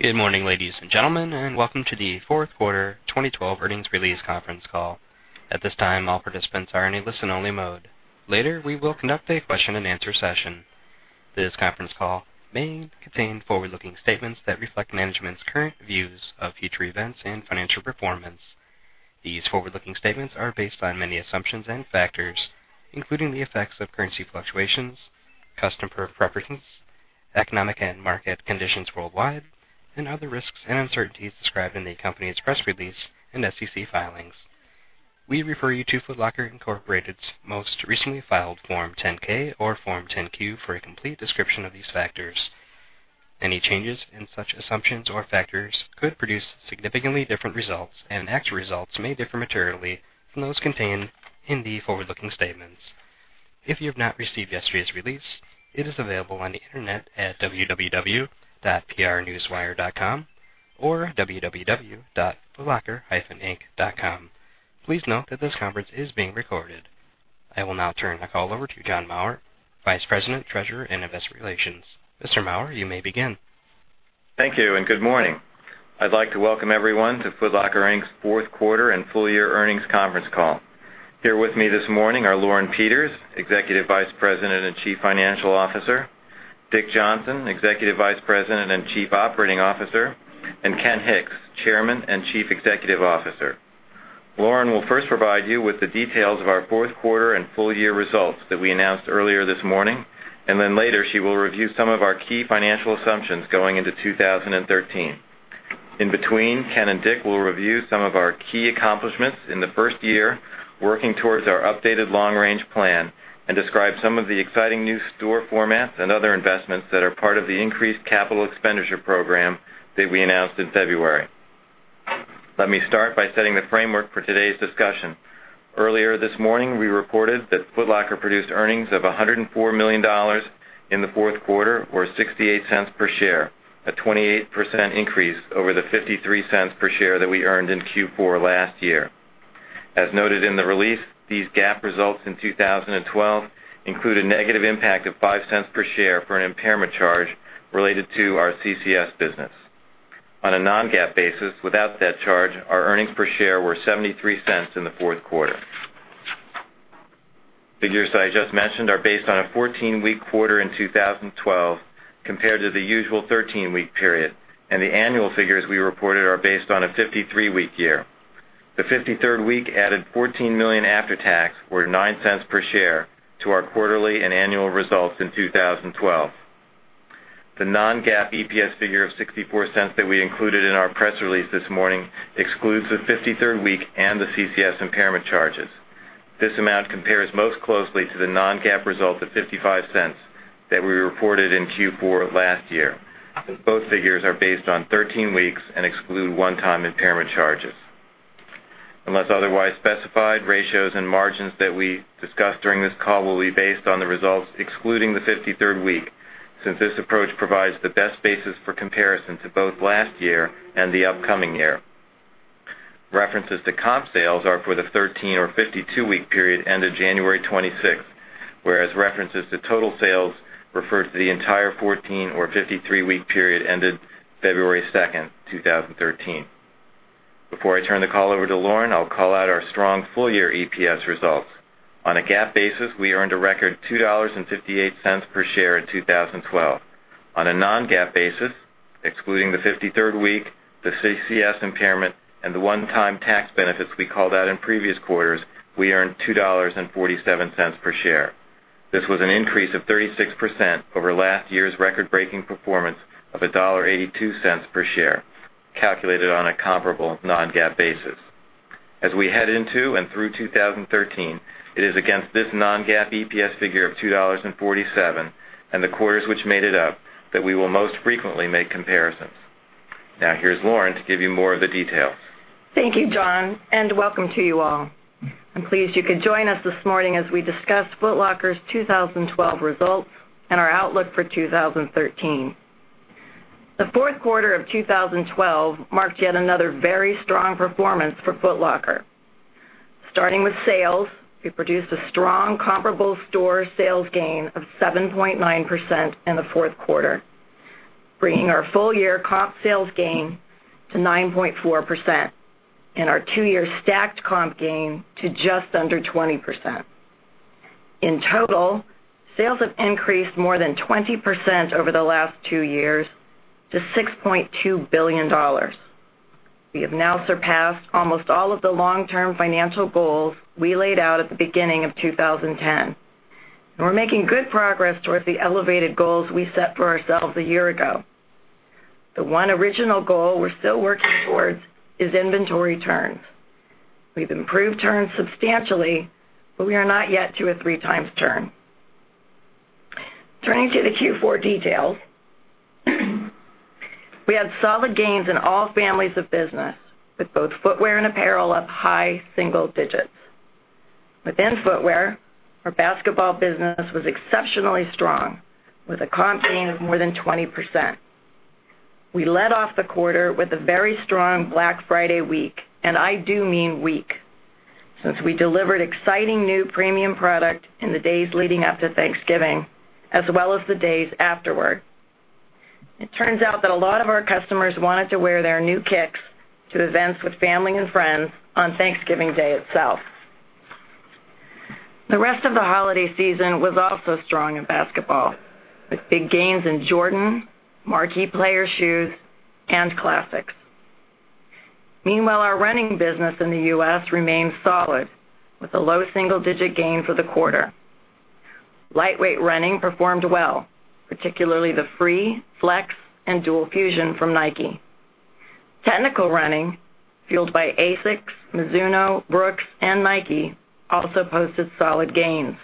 Good morning, ladies and gentlemen. Welcome to the fourth quarter 2012 earnings release conference call. At this time, all participants are in a listen-only mode. Later, we will conduct a question and answer session. This conference call may contain forward-looking statements that reflect management's current views of future events and financial performance. These forward-looking statements are based on many assumptions and factors, including the effects of currency fluctuations, customer preferences, economic and market conditions worldwide, and other risks and uncertainties described in the company's press release and SEC filings. We refer you to Foot Locker Incorporated's most recently filed Form 10-K or Form 10-Q for a complete description of these factors. Any changes in such assumptions or factors could produce significantly different results. Actual results may differ materially from those contained in the forward-looking statements. If you've not received yesterday's release, it is available on the internet at www.prnewswire.com or www.footlocker-inc.com. Please note that this conference is being recorded. I will now turn the call over to John Maurer, Vice President, Treasurer, and Investor Relations. Mr. Maurer, you may begin. Thank you. Good morning. I'd like to welcome everyone to Foot Locker, Inc.'s fourth quarter and full-year earnings conference call. Here with me this morning are Lauren Peters, Executive Vice President and Chief Financial Officer, Dick Johnson, Executive Vice President and Chief Operating Officer, and Ken Hicks, Chairman and Chief Executive Officer. Lauren will first provide you with the details of our fourth quarter and full-year results that we announced earlier this morning. Later, she will review some of our key financial assumptions going into 2013. In between, Ken and Dick will review some of our key accomplishments in the first year, working towards our updated long-range plan and describe some of the exciting new store formats and other investments that are part of the increased capital expenditure program that we announced in February. Let me start by setting the framework for today's discussion. Earlier this morning, we reported that Foot Locker produced earnings of $104 million in the fourth quarter or $0.68 per share, a 28% increase over the $0.53 per share that we earned in Q4 last year. As noted in the release, these GAAP results in 2012 include a negative impact of $0.05 per share for an impairment charge related to our CCS business. On a non-GAAP basis without that charge, our earnings per share were $0.73 in the fourth quarter. Figures that I just mentioned are based on a 14-week quarter in 2012 compared to the usual 13-week period. The annual figures we reported are based on a 53-week year. The 53rd week added $14 million after tax, or $0.09 per share to our quarterly and annual results in 2012. The non-GAAP EPS figure of $0.64 that we included in our press release this morning excludes the 53rd week and the CCS impairment charges. This amount compares most closely to the non-GAAP result of $0.55 that we reported in Q4 last year, as both figures are based on 13 weeks and exclude one-time impairment charges. Unless otherwise specified, ratios and margins that we discuss during this call will be based on the results excluding the 53rd week, since this approach provides the best basis for comparison to both last year and the upcoming year. References to comp sales are for the 13 or 52-week period ended January 26th, whereas references to total sales refer to the entire 14 or 53-week period ended February 2nd, 2013. Before I turn the call over to Lauren, I'll call out our strong full-year EPS results. On a GAAP basis, we earned a record $2.58 per share in 2012. On a non-GAAP basis, excluding the 53rd week, the CCS impairment, and the one-time tax benefits we called out in previous quarters, we earned $2.47 per share. This was an increase of 36% over last year's record-breaking performance of $1.82 per share, calculated on a comparable non-GAAP basis. As we head into and through 2013, it is against this non-GAAP EPS figure of $2.47 and the quarters which made it up that we will most frequently make comparisons. Now here's Lauren to give you more of the details. Thank you, John, and welcome to you all. I'm pleased you could join us this morning as we discuss Foot Locker's 2012 results and our outlook for 2013. The fourth quarter of 2012 marked yet another very strong performance for Foot Locker. Starting with sales, we produced a strong comparable store sales gain of 7.9% in the fourth quarter, bringing our full-year comp sales gain to 9.4% and our two-year stacked comp gain to just under 20%. In total, sales have increased more than 20% over the last two years to $6.2 billion. We have now surpassed almost all of the long-term financial goals we laid out at the beginning of 2010, and we're making good progress towards the elevated goals we set for ourselves a year ago. The one original goal we're still working towards is inventory turns. We've improved turns substantially, but we are not yet to a three times turn. Turning to the Q4 details, we had solid gains in all families of business with both footwear and apparel up high single digits. Within footwear, our basketball business was exceptionally strong with a comp gain of more than 20%. We led off the quarter with a very strong Black Friday week, and I do mean week. Since we delivered exciting new premium product in the days leading up to Thanksgiving, as well as the days afterward. It turns out that a lot of our customers wanted to wear their new kicks to events with family and friends on Thanksgiving Day itself. The rest of the holiday season was also strong in basketball, with big gains in Jordan, marquee player shoes, and classics. Meanwhile, our running business in the U.S. remains solid, with a low single-digit gain for the quarter. Lightweight running performed well, particularly the Free, Flex, and Dual Fusion from Nike. Technical running, fueled by ASICS, Mizuno, Brooks, and Nike, also posted solid gains.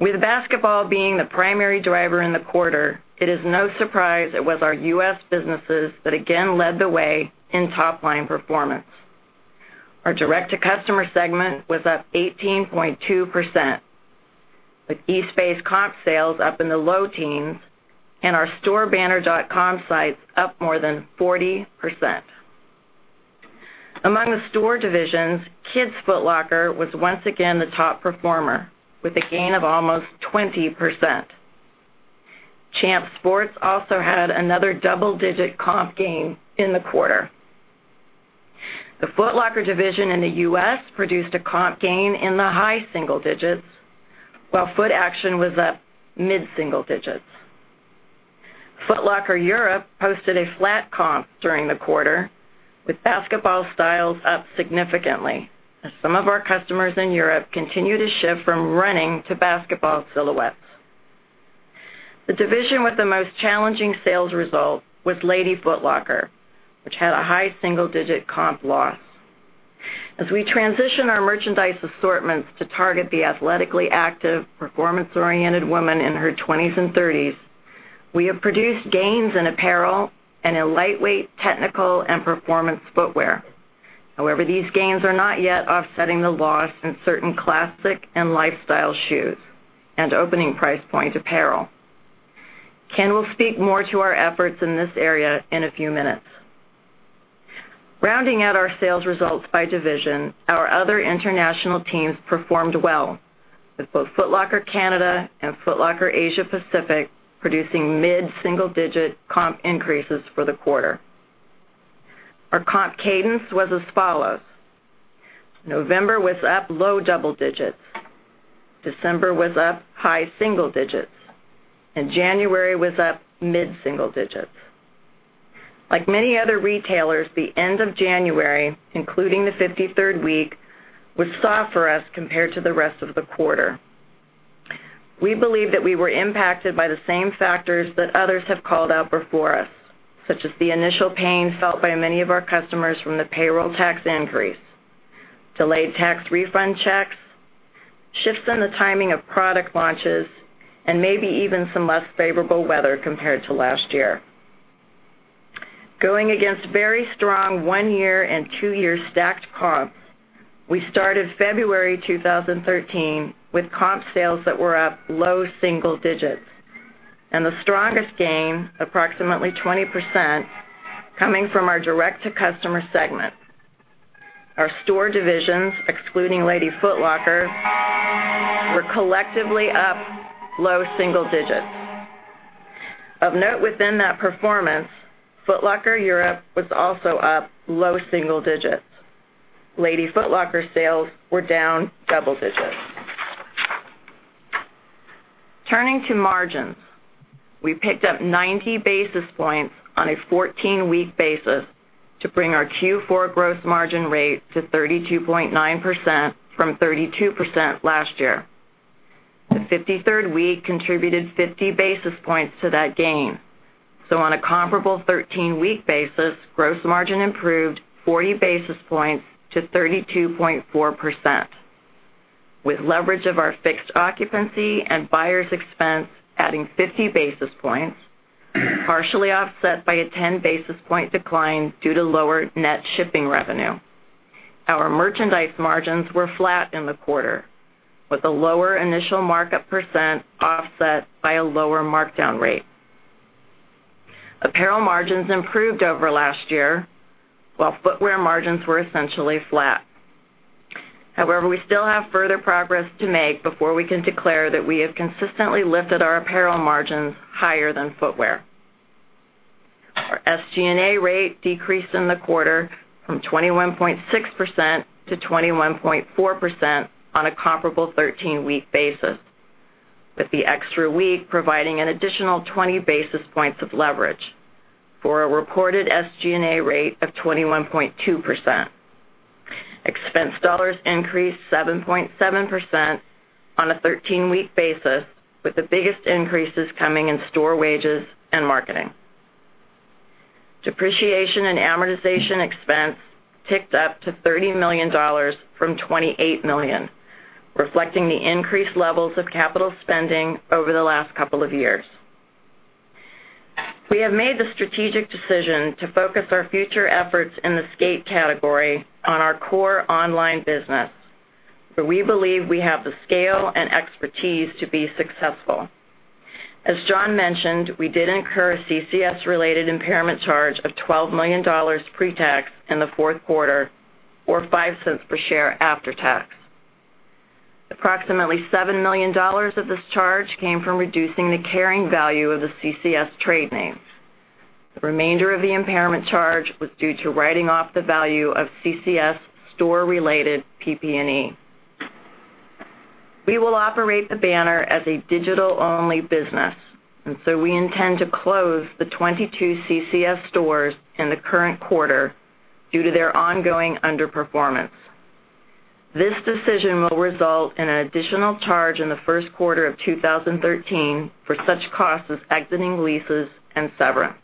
With basketball being the primary driver in the quarter, it is no surprise it was our U.S. businesses that again led the way in top-line performance. Our direct-to-customer segment was up 18.2%, with Eastbay comp sales up in the low teens and our store banner.com sites up more than 40%. Among the store divisions, Kids Foot Locker was once again the top performer, with a gain of almost 20%. Champs Sports also had another double-digit comp gain in the quarter. The Foot Locker division in the U.S. produced a comp gain in the high single digits, while Footaction was up mid-single digits. Foot Locker Europe posted a flat comp during the quarter, with basketball styles up significantly as some of our customers in Europe continue to shift from running to basketball silhouettes. The division with the most challenging sales results was Lady Foot Locker, which had a high single-digit comp loss. As we transition our merchandise assortments to target the athletically active, performance-oriented woman in her 20s and 30s, we have produced gains in apparel and in lightweight, technical, and performance footwear. However, these gains are not yet offsetting the loss in certain classic and lifestyle shoes and opening price point apparel. Ken will speak more to our efforts in this area in a few minutes. Rounding out our sales results by division, our other international teams performed well, with both Foot Locker Canada and Foot Locker Asia Pacific producing mid-single-digit comp increases for the quarter. Our comp cadence was as follows. November was up low double digits. December was up high single digits. January was up mid-single digits. Like many other retailers, the end of January, including the 53rd week, was soft for us compared to the rest of the quarter. We believe that we were impacted by the same factors that others have called out before us, such as the initial pain felt by many of our customers from the payroll tax increase, delayed tax refund checks, shifts in the timing of product launches, and maybe even some less favorable weather compared to last year. Going against very strong one-year and two-year stacked comps, we started February 2013 with comp sales that were up low single digits and the strongest gain, approximately 20%, coming from our direct-to-customer segment. Our store divisions, excluding Lady Foot Locker, were collectively up low single digits. Of note within that performance, Foot Locker Europe was also up low single digits. Lady Foot Locker sales were down double digits. Turning to margins, we picked up 90 basis points on a 14-week basis to bring our Q4 gross margin rate to 32.9% from 32% last year. The 53rd week contributed 50 basis points to that gain. On a comparable 13-week basis, gross margin improved 40 basis points to 32.4%, with leverage of our fixed occupancy and buyers' expense adding 50 basis points, partially offset by a 10-basis-point decline due to lower net shipping revenue. Our merchandise margins were flat in the quarter, with a lower initial markup percent offset by a lower markdown rate. Apparel margins improved over last year, while footwear margins were essentially flat. However, we still have further progress to make before we can declare that we have consistently lifted our apparel margins higher than footwear. Our SG&A rate decreased in the quarter from 21.6% to 21.4% on a comparable 13-week basis, with the extra week providing an additional 20 basis points of leverage for a reported SG&A rate of 21.2%. Expense dollars increased 7.7% on a 13-week basis, with the biggest increases coming in store wages and marketing. Depreciation and amortization expense ticked up to $30 million from $28 million, reflecting the increased levels of capital spending over the last couple of years. We have made the strategic decision to focus our future efforts in the skate category on our core online business, where we believe we have the scale and expertise to be successful. As John mentioned, we did incur a CCS related impairment charge of $12 million pre-tax in the fourth quarter, or $0.05 per share after tax. Approximately $7 million of this charge came from reducing the carrying value of the CCS trade names. The remainder of the impairment charge was due to writing off the value of CCS store related PP&E. We will operate the banner as a digital-only business. We intend to close the 22 CCS stores in the current quarter due to their ongoing underperformance. This decision will result in an additional charge in the first quarter of 2013 for such costs as exiting leases and severance.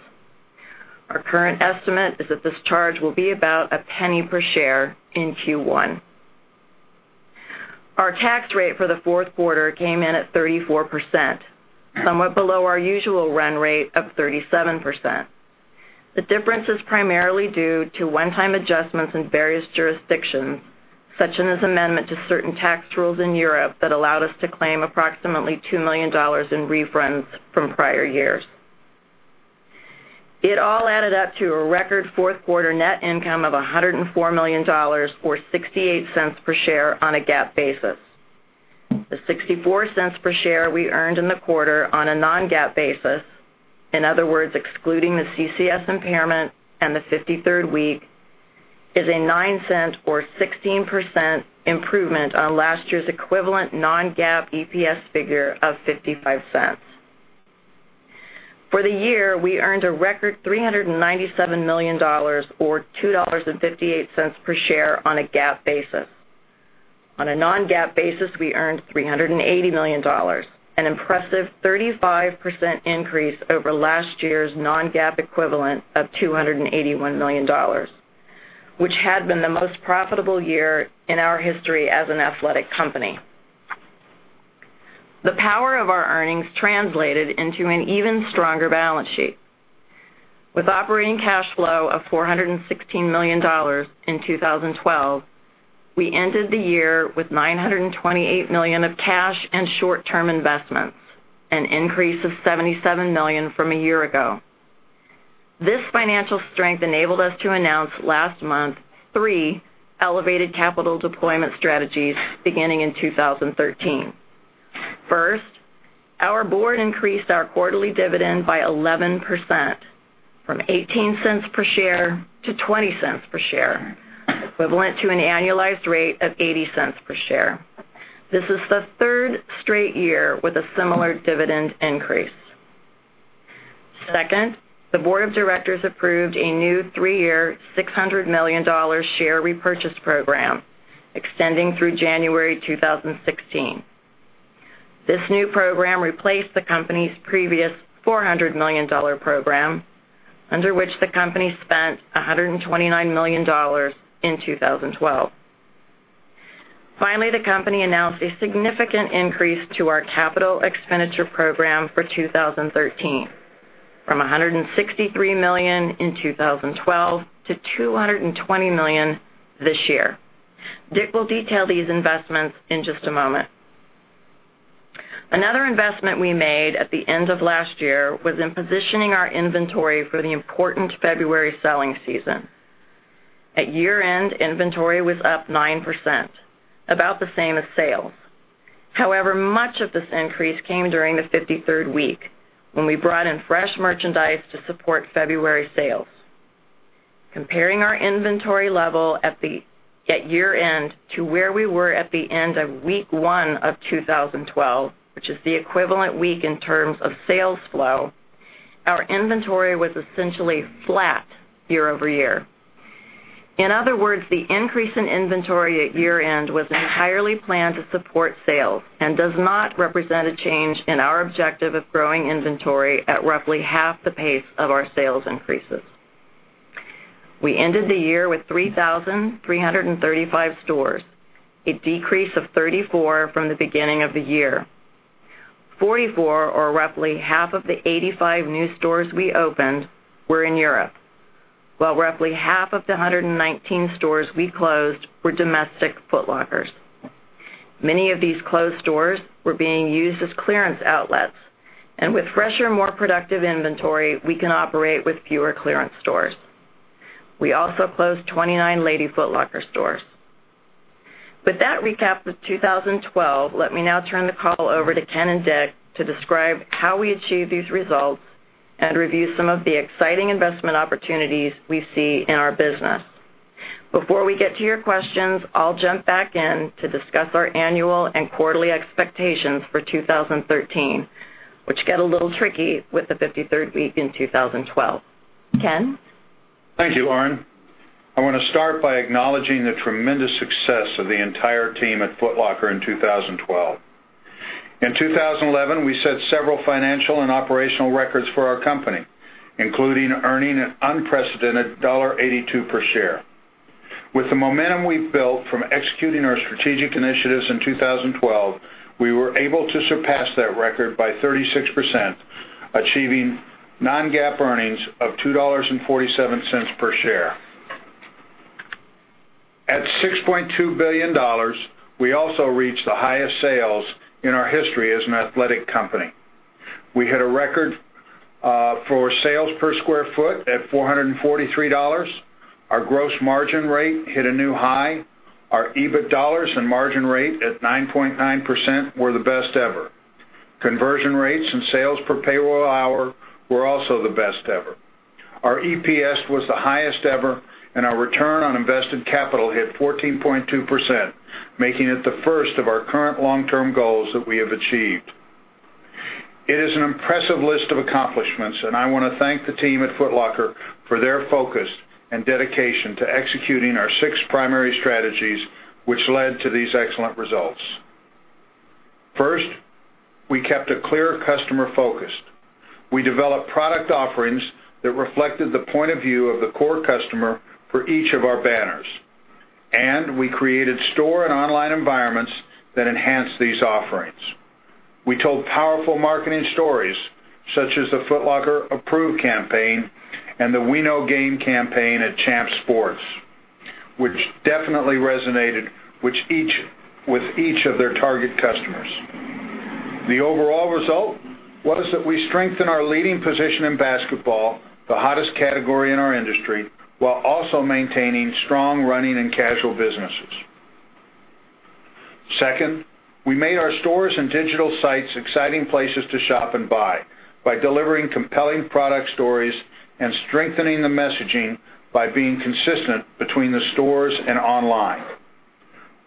Our current estimate is that this charge will be about $0.01 per share in Q1. Our tax rate for the fourth quarter came in at 34%, somewhat below our usual run rate of 37%. The difference is primarily due to one-time adjustments in various jurisdictions, such as amendment to certain tax rules in Europe that allowed us to claim approximately $2 million in refunds from prior years. It all added up to a record fourth quarter net income of $104 million or $0.68 per share on a GAAP basis. The $0.64 per share we earned in the quarter on a non-GAAP basis, in other words, excluding the CCS impairment and the 53rd week, is a $0.09 or 16% improvement on last year's equivalent non-GAAP EPS figure of $0.55. For the year, we earned a record $397 million or $2.58 per share on a GAAP basis. On a non-GAAP basis, we earned $380 million, an impressive 35% increase over last year's non-GAAP equivalent of $281 million, which had been the most profitable year in our history as an athletic company. The power of our earnings translated into an even stronger balance sheet. With operating cash flow of $416 million in 2012, we ended the year with $928 million of cash and short-term investments, an increase of $77 million from a year ago. This financial strength enabled us to announce last month three elevated capital deployment strategies beginning in 2013. First, our board increased our quarterly dividend by 11%, from $0.18 per share to $0.20 per share, equivalent to an annualized rate of $0.80 per share. This is the third straight year with a similar dividend increase. Second, the board of directors approved a new three-year, $600 million share repurchase program extending through January 2016. This new program replaced the company's previous $400 million program, under which the company spent $129 million in 2012. Finally, the company announced a significant increase to our capital expenditure program for 2013 from $163 million in 2012 to $220 million this year. Dick will detail these investments in just a moment. Another investment we made at the end of last year was in positioning our inventory for the important February selling season. At year-end, inventory was up 9%, about the same as sales. However, much of this increase came during the 53rd week when we brought in fresh merchandise to support February sales. Comparing our inventory level at year-end to where we were at the end of week 1 of 2012, which is the equivalent week in terms of sales flow, our inventory was essentially flat year-over-year. In other words, the increase in inventory at year-end was entirely planned to support sales and does not represent a change in our objective of growing inventory at roughly half the pace of our sales increases. We ended the year with 3,335 stores, a decrease of 34 from the beginning of the year. 44 or roughly half of the 85 new stores we opened were in Europe, while roughly half of the 119 stores we closed were domestic Foot Lockers. Many of these closed stores were being used as clearance outlets, and with fresher, more productive inventory, we can operate with fewer clearance stores. We also closed 29 Lady Foot Locker stores. With that recap of 2012, let me now turn the call over to Ken and Dick to describe how we achieve these results and review some of the exciting investment opportunities we see in our business. Before we get to your questions, I'll jump back in to discuss our annual and quarterly expectations for 2013, which get a little tricky with the 53rd week in 2012. Ken? Thank you, Lauren. I want to start by acknowledging the tremendous success of the entire team at Foot Locker in 2012. In 2011, we set several financial and operational records for our company, including earning an unprecedented $1.82 per share. With the momentum we've built from executing our strategic initiatives in 2012, we were able to surpass that record by 36%, achieving non-GAAP earnings of $2.47 per share. At $6.2 billion, we also reached the highest sales in our history as an athletic company. We hit a record for sales per square foot at $443. Our gross margin rate hit a new high. Our EBIT dollars and margin rate at 9.9% were the best ever. Conversion rates and sales per payroll hour were also the best ever. Our EPS was the highest ever, our return on invested capital hit 14.2%, making it the first of our current long-term goals that we have achieved. It is an impressive list of accomplishments, I want to thank the team at Foot Locker for their focus and dedication to executing our six primary strategies, which led to these excellent results. First, we kept a clear customer focus. We developed product offerings that reflected the point of view of the core customer for each of our banners. We created store and online environments that enhanced these offerings. We told powerful marketing stories, such as the Foot Locker Approved campaign and the We Know Game campaign at Champs Sports, which definitely resonated with each of their target customers. The overall result was that we strengthened our leading position in basketball, the hottest category in our industry, while also maintaining strong running and casual businesses. Second, we made our stores and digital sites exciting places to shop and buy by delivering compelling product stories and strengthening the messaging by being consistent between the stores and online.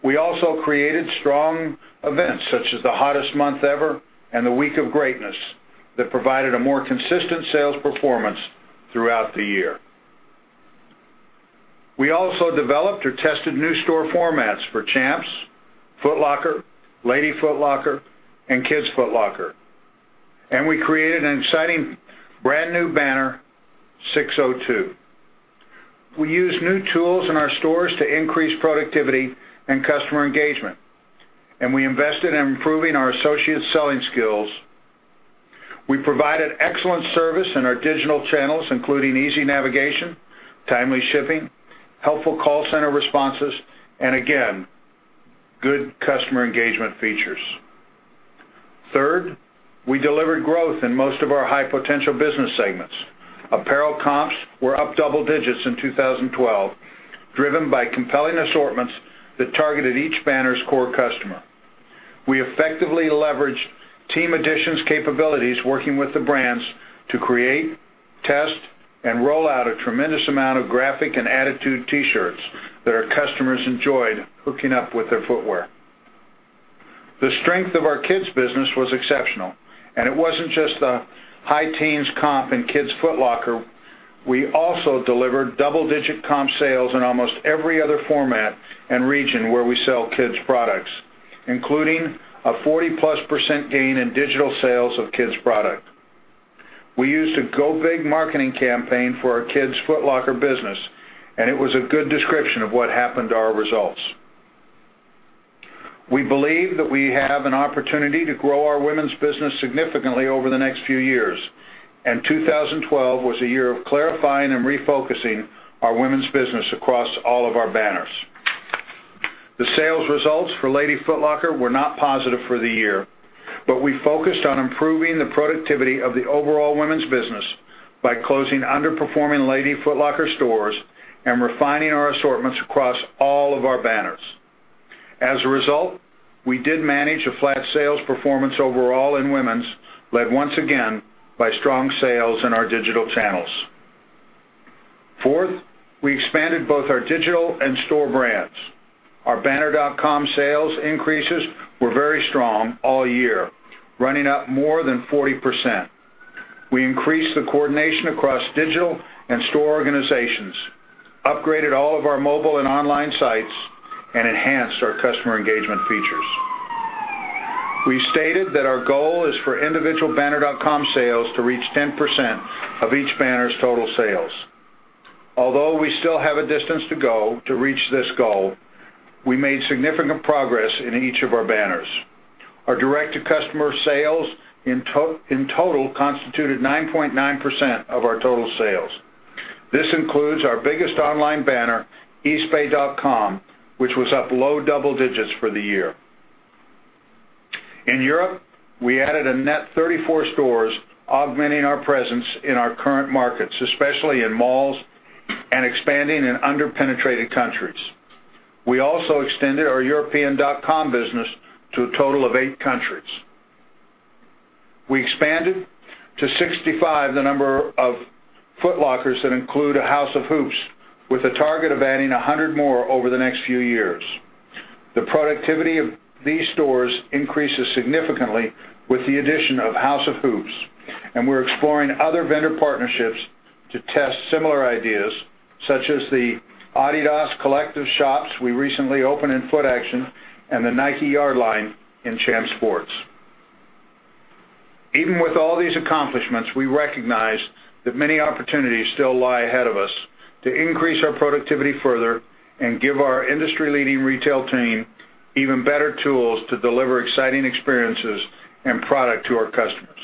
We also created strong events such as the Hottest Month Ever and the Week of Greatness that provided a more consistent sales performance throughout the year. We also developed or tested new store formats for Champs, Foot Locker, Lady Foot Locker, and Kids Foot Locker. We created an exciting brand new banner, SIX:02. We used new tools in our stores to increase productivity and customer engagement, and we invested in improving our associates' selling skills. We provided excellent service in our digital channels, including easy navigation, timely shipping, helpful call center responses, and again, good customer engagement features. Third, we delivered growth in most of our high-potential business segments. Apparel comps were up double-digits in 2012, driven by compelling assortments that targeted each banner's core customer. We effectively leveraged Team Editions capabilities, working with the brands to create, test, and roll out a tremendous amount of graphic and attitude T-shirts that our customers enjoyed hooking up with their footwear. The strength of our kids business was exceptional, and it wasn't just the high teens comp in Kids Foot Locker. We also delivered double-digit comp sales in almost every other format and region where we sell kids' products, including a 40-plus % gain in digital sales of kids' product. We used a Go Big marketing campaign for our Kids Foot Locker business, it was a good description of what happened to our results. We believe that we have an opportunity to grow our women's business significantly over the next few years, 2012 was a year of clarifying and refocusing our women's business across all of our banners. The sales results for Lady Foot Locker were not positive for the year, we focused on improving the productivity of the overall women's business by closing underperforming Lady Foot Locker stores and refining our assortments across all of our banners. As a result, we did manage a flat sales performance overall in women's, led once again by strong sales in our digital channels. Fourth, we expanded both our digital and store brands. Our banner.com sales increases were very strong all year, running up more than 40%. We increased the coordination across digital and store organizations, upgraded all of our mobile and online sites, and enhanced our customer engagement features. We stated that our goal is for individual banner.com sales to reach 10% of each banner's total sales. Although we still have a distance to go to reach this goal, we made significant progress in each of our banners. Our direct-to-customer sales in total constituted 9.9% of our total sales. This includes our biggest online banner, eastbay.com, which was up low double digits for the year. In Europe, we added a net 34 stores, augmenting our presence in our current markets, especially in malls and expanding in under-penetrated countries. We also extended our european.com business to a total of eight countries. We expanded to 65 the number of Foot Lockers that include a House of Hoops with a target of adding 100 more over the next few years. The productivity of these stores increases significantly with the addition of House of Hoops, and we're exploring other vendor partnerships to test similar ideas, such as the Adidas Originals Collective we recently opened in Footaction and the Nike Yardline at Champs Sports. Even with all these accomplishments, we recognize that many opportunities still lie ahead of us to increase our productivity further and give our industry-leading retail team even better tools to deliver exciting experiences and product to our customers.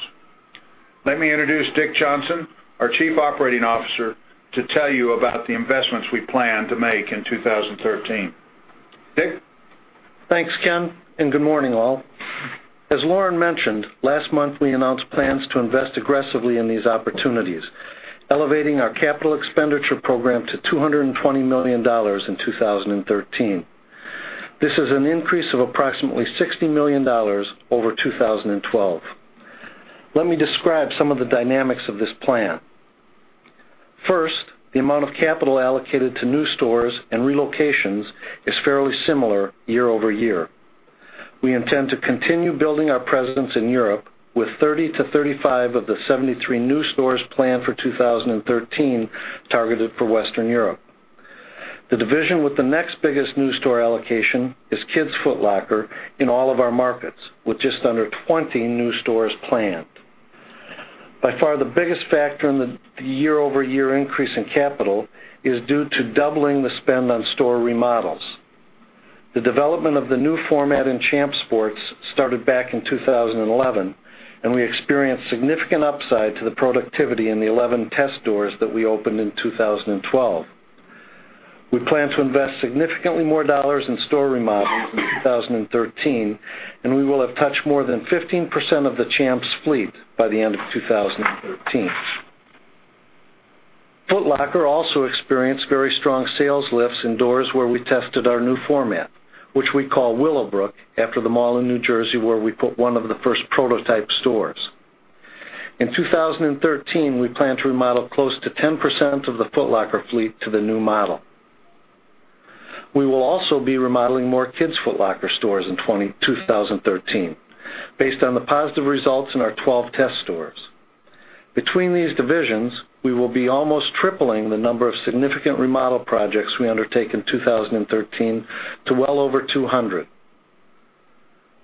Let me introduce Dick Johnson, our Chief Operating Officer, to tell you about the investments we plan to make in 2013. Dick? Thanks, Ken. Good morning, all. As Lauren mentioned, last month, we announced plans to invest aggressively in these opportunities, elevating our capital expenditure program to $220 million in 2013. This is an increase of approximately $60 million over 2012. Let me describe some of the dynamics of this plan. First, the amount of capital allocated to new stores and relocations is fairly similar year-over-year. We intend to continue building our presence in Europe with 30-35 of the 73 new stores planned for 2013 targeted for Western Europe. The division with the next biggest new store allocation is Kids Foot Locker in all of our markets, with just under 20 new stores planned. By far, the biggest factor in the year-over-year increase in capital is due to doubling the spend on store remodels. The development of the new format in Champs Sports started back in 2011. We experienced significant upside to the productivity in the 11 test stores that we opened in 2012. We plan to invest significantly more dollars in store remodels in 2013. We will have touched more than 15% of the Champs fleet by the end of 2013. Foot Locker also experienced very strong sales lifts in doors where we tested our new format, which we call Willowbrook, after the mall in New Jersey where we put one of the first prototype stores. In 2013, we plan to remodel close to 10% of the Foot Locker fleet to the new model. We will also be remodeling more Kids Foot Locker stores in 2013 based on the positive results in our 12 test stores. Between these divisions, we will be almost tripling the number of significant remodel projects we undertake in 2013 to well over 200.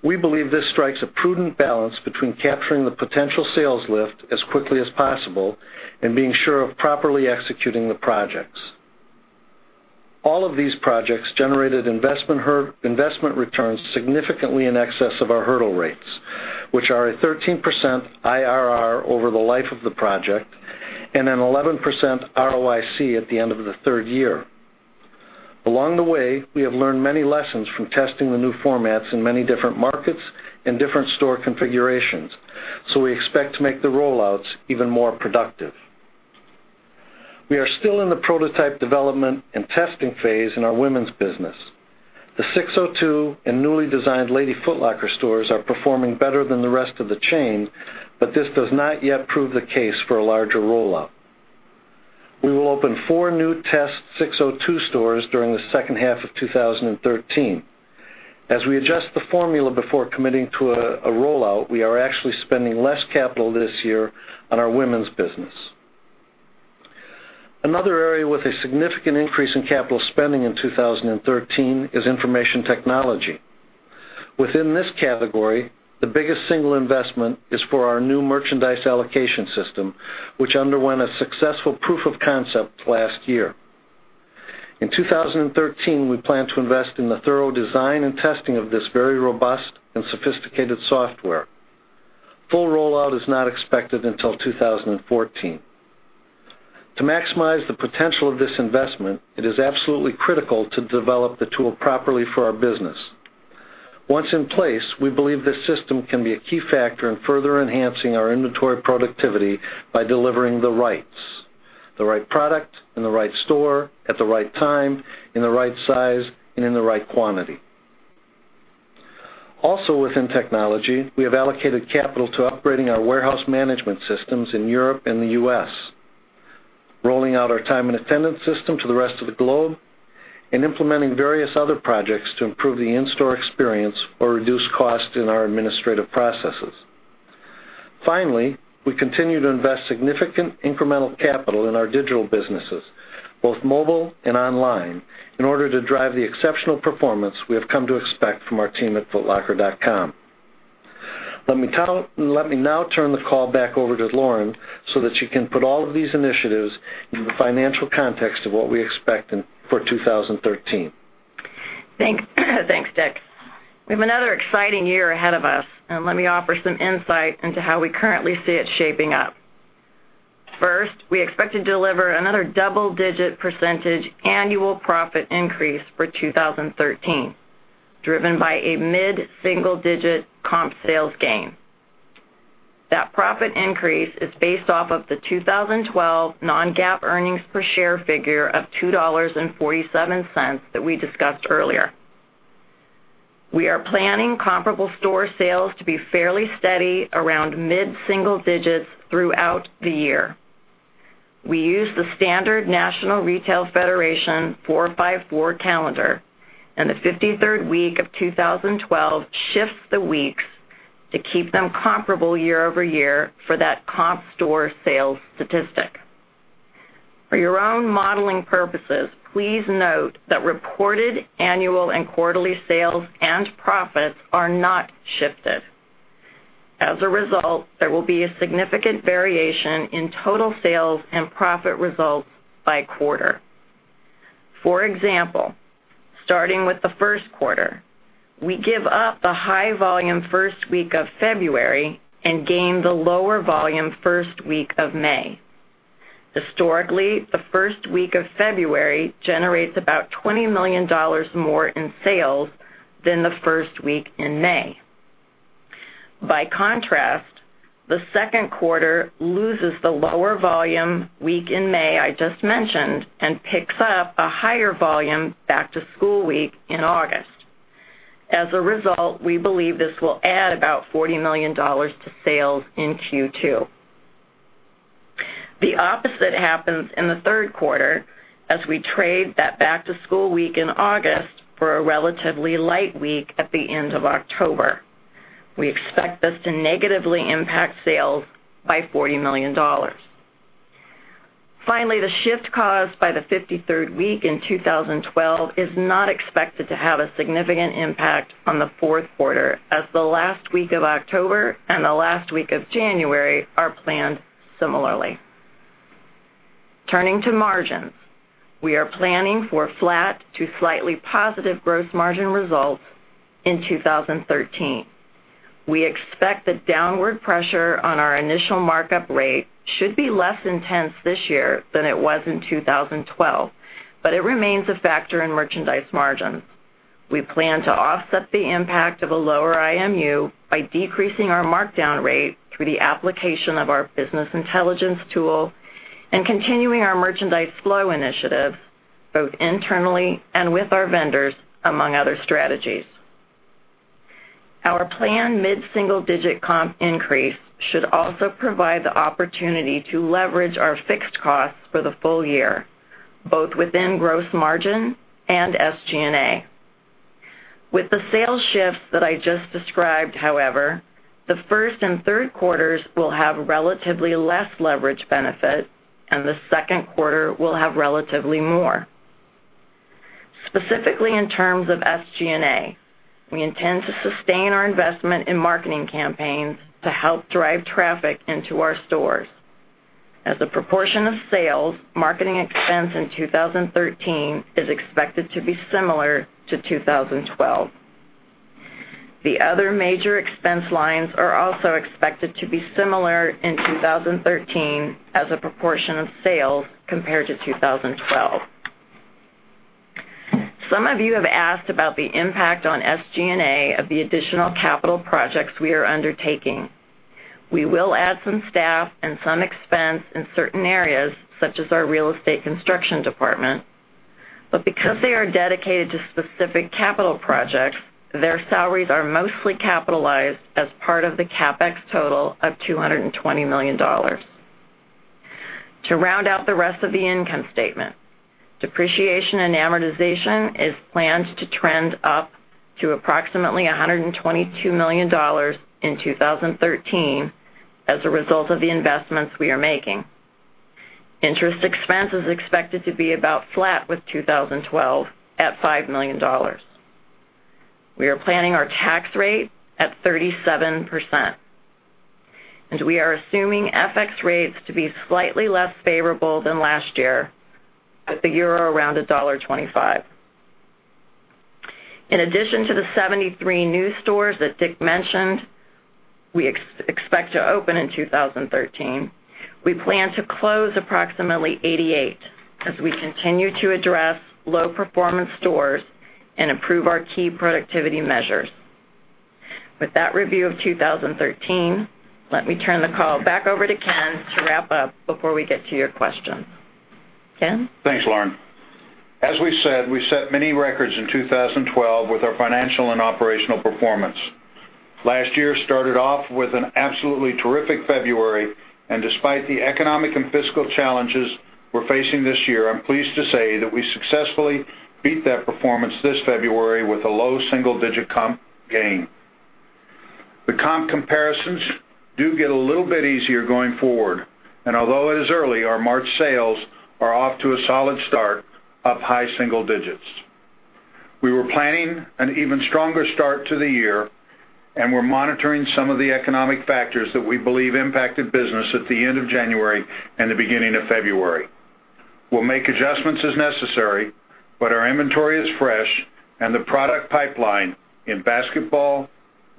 We believe this strikes a prudent balance between capturing the potential sales lift as quickly as possible and being sure of properly executing the projects. All of these projects generated investment returns significantly in excess of our hurdle rates, which are a 13% IRR over the life of the project and an 11% ROIC at the end of the third year. Along the way, we have learned many lessons from testing the new formats in many different markets and different store configurations. We expect to make the rollouts even more productive. We are still in the prototype development and testing phase in our women's business. The SIX:02 and newly designed Lady Foot Locker stores are performing better than the rest of the chain. This does not yet prove the case for a larger rollout. We will open four new test SIX:02 stores during the second half of 2013. As we adjust the formula before committing to a rollout, we are actually spending less capital this year on our women's business. Another area with a significant increase in capital spending in 2013 is information technology. Within this category, the biggest single investment is for our new merchandise allocation system, which underwent a successful proof of concept last year. In 2013, we plan to invest in the thorough design and testing of this very robust and sophisticated software. Full rollout is not expected until 2014. To maximize the potential of this investment, it is absolutely critical to develop the tool properly for our business. Once in place, we believe this system can be a key factor in further enhancing our inventory productivity by delivering the right product in the right store at the right time, in the right size, and in the right quantity. Also within technology, we have allocated capital to upgrading our warehouse management systems in Europe and the U.S., rolling out our time and attendance system to the rest of the globe, and implementing various other projects to improve the in-store experience or reduce cost in our administrative processes. Finally, we continue to invest significant incremental capital in our digital businesses, both mobile and online, in order to drive the exceptional performance we have come to expect from our team at footlocker.com. Let me now turn the call back over to Lauren so that she can put all of these initiatives in the financial context of what we expect for 2013. Thanks, Dick. We have another exciting year ahead of us. Let me offer some insight into how we currently see it shaping up. First, we expect to deliver another double-digit % annual profit increase for 2013, driven by a mid-single-digit comp sales gain. That profit increase is based off of the 2012 non-GAAP earnings per share figure of $2.47 that we discussed earlier. We are planning comparable store sales to be fairly steady around mid-single digits throughout the year. We use the standard National Retail Federation 4-5-4 calendar, and the 53rd week of 2012 shifts the weeks to keep them comparable year-over-year for that comp store sales statistic. For your own modeling purposes, please note that reported annual and quarterly sales and profits are not shifted. As a result, there will be a significant variation in total sales and profit results by quarter. For example, starting with the first quarter, we give up the high-volume first week of February and gain the lower volume first week of May. Historically, the first week of February generates about $20 million more in sales than the first week in May. By contrast, the second quarter loses the lower volume week in May I just mentioned and picks up a higher volume back-to-school week in August. As a result, we believe this will add about $40 million to sales in Q2. The opposite happens in the third quarter as we trade that back-to-school week in August for a relatively light week at the end of October. We expect this to negatively impact sales by $40 million. Finally, the shift caused by the 53rd week in 2012 is not expected to have a significant impact on the fourth quarter, as the last week of October and the last week of January are planned similarly. Turning to margins, we are planning for flat to slightly positive gross margin results in 2013. We expect the downward pressure on our initial markup rate should be less intense this year than it was in 2012. It remains a factor in merchandise margins. We plan to offset the impact of a lower IMU by decreasing our markdown rate through the application of our business intelligence tool and continuing our merchandise flow initiative, both internally and with our vendors, among other strategies. Our planned mid-single-digit comp increase should also provide the opportunity to leverage our fixed costs for the full year, both within gross margin and SG&A. With the sales shifts that I just described, the first and third quarters will have relatively less leverage benefit. The second quarter will have relatively more. Specifically, in terms of SG&A, we intend to sustain our investment in marketing campaigns to help drive traffic into our stores. As a proportion of sales, marketing expense in 2013 is expected to be similar to 2012. The other major expense lines are also expected to be similar in 2013 as a proportion of sales compared to 2012. Some of you have asked about the impact on SG&A of the additional capital projects we are undertaking. We will add some staff and some expense in certain areas, such as our real estate construction department. Because they are dedicated to specific capital projects, their salaries are mostly capitalized as part of the CapEx total of $220 million. To round out the rest of the income statement, depreciation and amortization is planned to trend up to approximately $122 million in 2013 as a result of the investments we are making. Interest expense is expected to be about flat with 2012 at $5 million. We are planning our tax rate at 37%. We are assuming FX rates to be slightly less favorable than last year with the euro around $1.25. In addition to the 73 new stores that Dick mentioned we expect to open in 2013, we plan to close approximately 88 as we continue to address low-performance stores and improve our key productivity measures. With that review of 2013, let me turn the call back over to Ken to wrap up before we get to your questions. Ken? Thanks, Lauren. As we said, we set many records in 2012 with our financial and operational performance. Last year started off with an absolutely terrific February. Despite the economic and fiscal challenges we're facing this year, I'm pleased to say that we successfully beat that performance this February with a low single-digit comp gain. The comp comparisons do get a little bit easier going forward. Although it is early, our March sales are off to a solid start, up high single digits. We were planning an even stronger start to the year. We're monitoring some of the economic factors that we believe impacted business at the end of January and the beginning of February. We'll make adjustments as necessary. Our inventory is fresh and the product pipeline in basketball,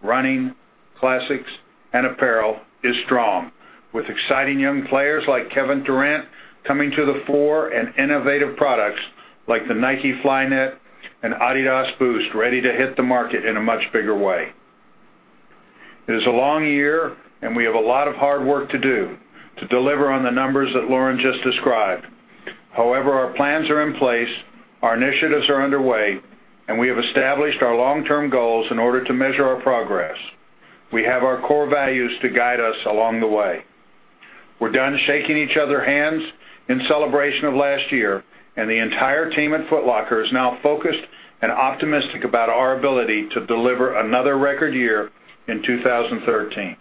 running, classics, and apparel is strong. With exciting young players like Kevin Durant coming to the fore and innovative products like the Nike Flyknit and Adidas Boost ready to hit the market in a much bigger way. It is a long year. We have a lot of hard work to do to deliver on the numbers that Lauren just described. Our plans are in place, our initiatives are underway. We have established our long-term goals in order to measure our progress. We have our core values to guide us along the way. We're done shaking each other hands in celebration of last year. The entire team at Foot Locker is now focused and optimistic about our ability to deliver another record year in 2013.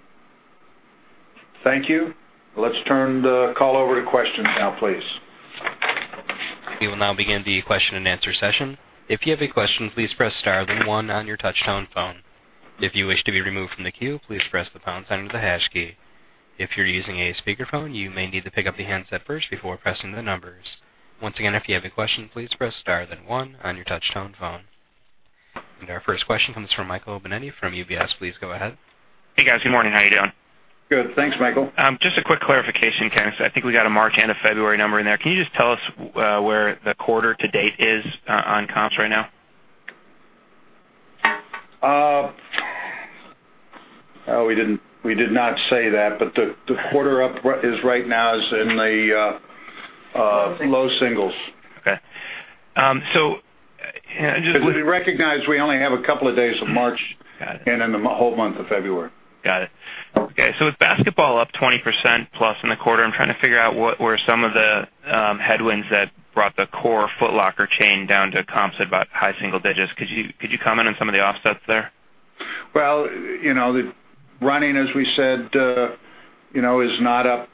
Thank you. Let's turn the call over to questions now, please. We will now begin the question-and-answer session. If you have a question, please press star then one on your touch-tone phone. If you wish to be removed from the queue, please press the pound sign and the hash key. If you're using a speakerphone, you may need to pick up the handset first before pressing the numbers. Once again, if you have a question, please press star then one on your touch-tone phone. Our first question comes from Michael Binetti from UBS. Please go ahead. Hey, guys. Good morning. How you doing? Good. Thanks, Michael. Just a quick clarification, Ken. I think we got a March and a February number in there. Can you just tell us where the quarter to date is on comps right now? We did not say that, the quarter up is right now in the. Low singles. Low singles. Okay. Just. We recognize we only have a couple of days of March. Got it. The whole month of February. Got it. Okay. Okay, with basketball up 20%+ in the quarter, I'm trying to figure out what were some of the headwinds that brought the core Foot Locker chain down to comps at about high single digits. Could you comment on some of the offsets there? Well, the running, as we said, is not up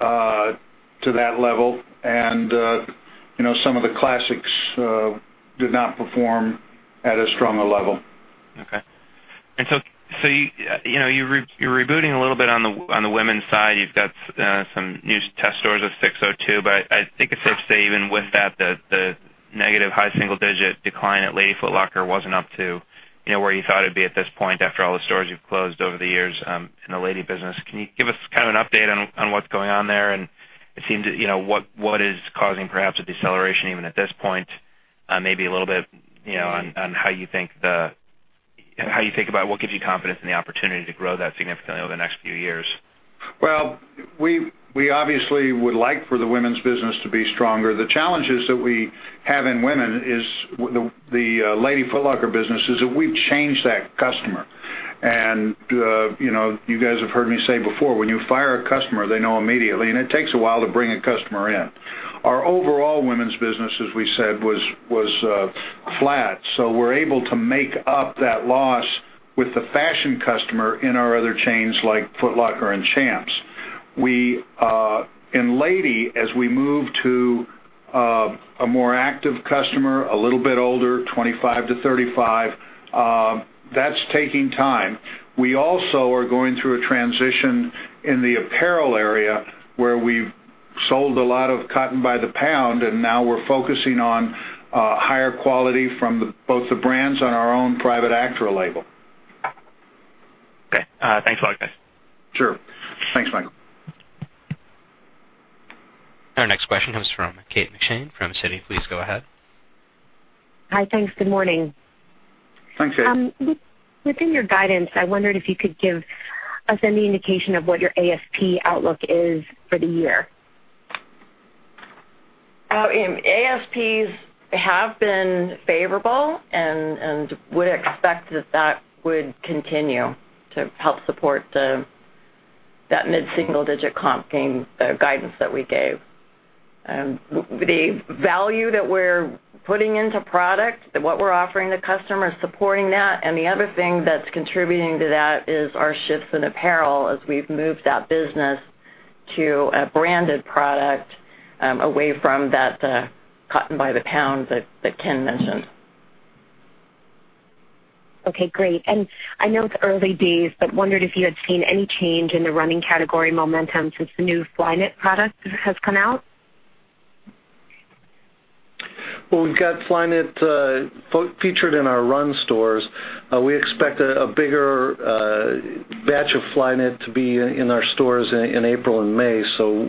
to that level. Some of the classics did not perform at as strong a level. Okay. You're rebooting a little bit on the women's side. You've got some new test stores with SIX:02, but I think it's safe to say, even with that, the negative high single-digit decline at Lady Foot Locker wasn't up to where you thought it'd be at this point after all the stores you've closed over the years in the Lady business. Can you give us kind of an update on what's going on there? It seems, what is causing perhaps a deceleration even at this point, maybe a little bit, on how you think about what gives you confidence in the opportunity to grow that significantly over the next few years? Well, we obviously would like for the women's business to be stronger. The challenges that we have in women is the Lady Foot Locker business, is that we've changed that customer. You guys have heard me say before, when you fire a customer, they know immediately, and it takes a while to bring a customer in. Our overall women's business, as we said, was flat. We're able to make up that loss with the fashion customer in our other chains, like Foot Locker and Champs. In Lady, as we move to a more active customer, a little bit older, 25 to 35, that's taking time. We also are going through a transition in the apparel area, where we've sold a lot of cotton by the pound, and now we're focusing on higher quality from both the brands and our own private Actra label. Okay. Thanks a lot, guys. Sure. Thanks, Michael. Our next question comes from Kate McShane from Citi. Please go ahead. Hi. Thanks. Good morning. Thanks, Kate. Within your guidance, I wondered if you could give us any indication of what your ASP outlook is for the year. ASPs have been favorable, we expect that that would continue to help support that mid-single-digit comp guidance that we gave. The value that we're putting into product and what we're offering the customer is supporting that. The other thing that's contributing to that is our shifts in apparel as we've moved that business to a branded product, away from that cotton by the pound that Ken mentioned. Okay, great. I know it's early days, wondered if you had seen any change in the running category momentum since the new Nike Flyknit product has come out. Well, we've got Flyknit featured in our run stores. We expect a bigger batch of Flyknit to be in our stores in April and May.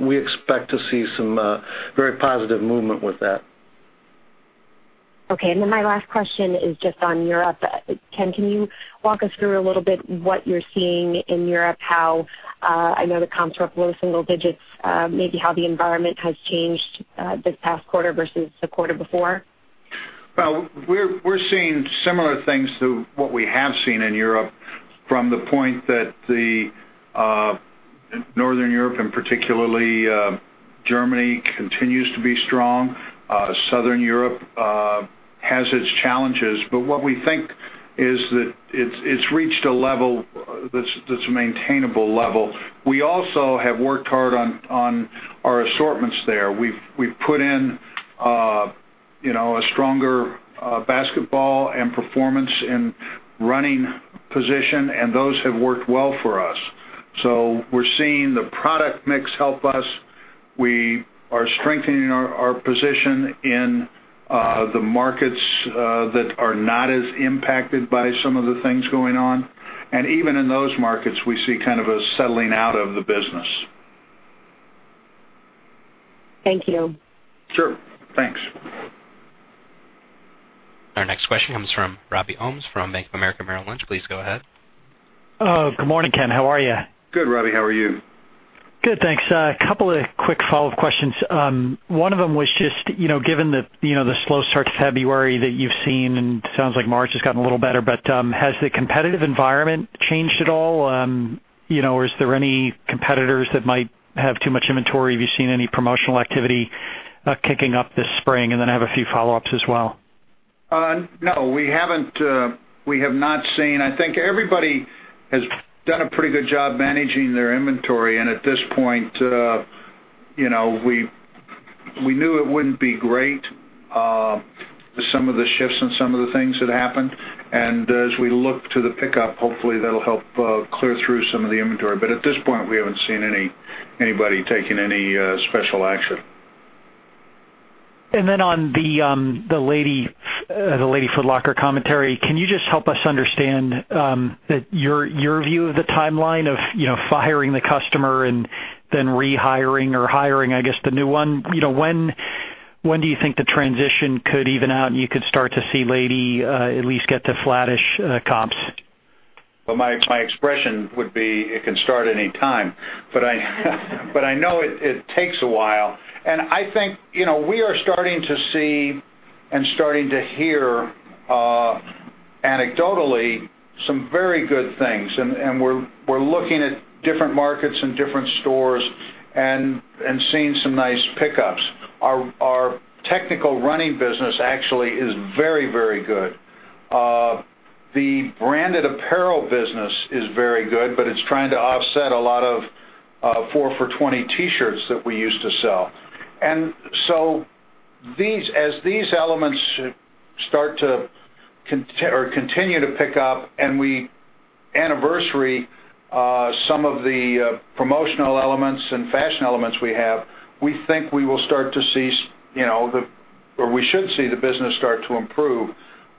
We expect to see some very positive movement with that. Okay. My last question is just on Europe. Ken, can you walk us through a little bit what you're seeing in Europe, how I know the comps were up low single digits, maybe how the environment has changed this past quarter versus the quarter before. Well, we're seeing similar things to what we have seen in Europe from the point that Northern Europe and particularly Germany continues to be strong. Southern Europe has its challenges. What we think is that it's reached a level that's a maintainable level. We also have worked hard on our assortments there. We've put in a stronger basketball and performance in running position, and those have worked well for us. We're seeing the product mix help us. We are strengthening our position in the markets that are not as impacted by some of the things going on. Even in those markets, we see kind of a settling out of the business. Thank you. Sure. Thanks. Our next question comes from Robert Ohmes from Bank of America Merrill Lynch. Please go ahead. Good morning, Ken. How are you? Good, Robbie. How are you? Good, thanks. A couple of quick follow-up questions. One of them was just, given the slow start to February that you've seen, sounds like March has gotten a little better, has the competitive environment changed at all? Is there any competitors that might have too much inventory? Have you seen any promotional activity kicking up this spring? I have a few follow-ups as well. No. We have not seen. I think everybody has done a pretty good job managing their inventory. At this point, we knew it wouldn't be great. Some of the shifts and some of the things that happened, as we look to the pickup, hopefully, that'll help clear through some of the inventory. At this point, we haven't seen anybody taking any special action. On the Lady Foot Locker commentary, can you just help us understand your view of the timeline of firing the customer and then rehiring or hiring, I guess, the new one? When do you think the transition could even out, you could start to see Lady at least get to flattish comps? Well, my expression would be, it can start anytime, I know it takes a while. I think, we are starting to see and starting to hear anecdotally some very good things, we're looking at different markets and different stores and seeing some nice pickups. Our technical running business actually is very, very good. The branded apparel business is very good, it's trying to offset a lot of 4 for 20 T-shirts that we used to sell. As these elements start to or continue to pick up we anniversary some of the promotional elements and fashion elements we have, we think we will start to see or we should see the business start to improve.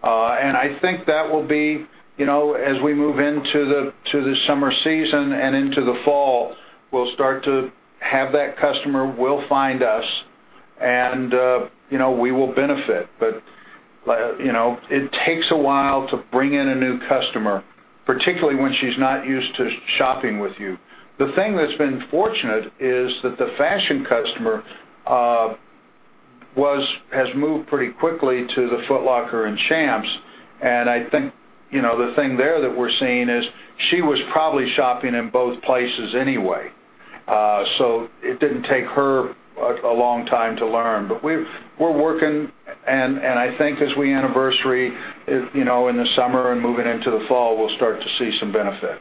I think that will be, as we move into the summer season and into the fall, we'll start to have that customer will find us, and we will benefit. It takes a while to bring in a new customer, particularly when she's not used to shopping with you. The thing that's been fortunate is that the fashion customer has moved pretty quickly to the Foot Locker and Champs. I think, the thing there that we're seeing is she was probably shopping in both places anyway. It didn't take her a long time to learn. We're working, and I think as we anniversary in the summer and moving into the fall, we'll start to see some benefit.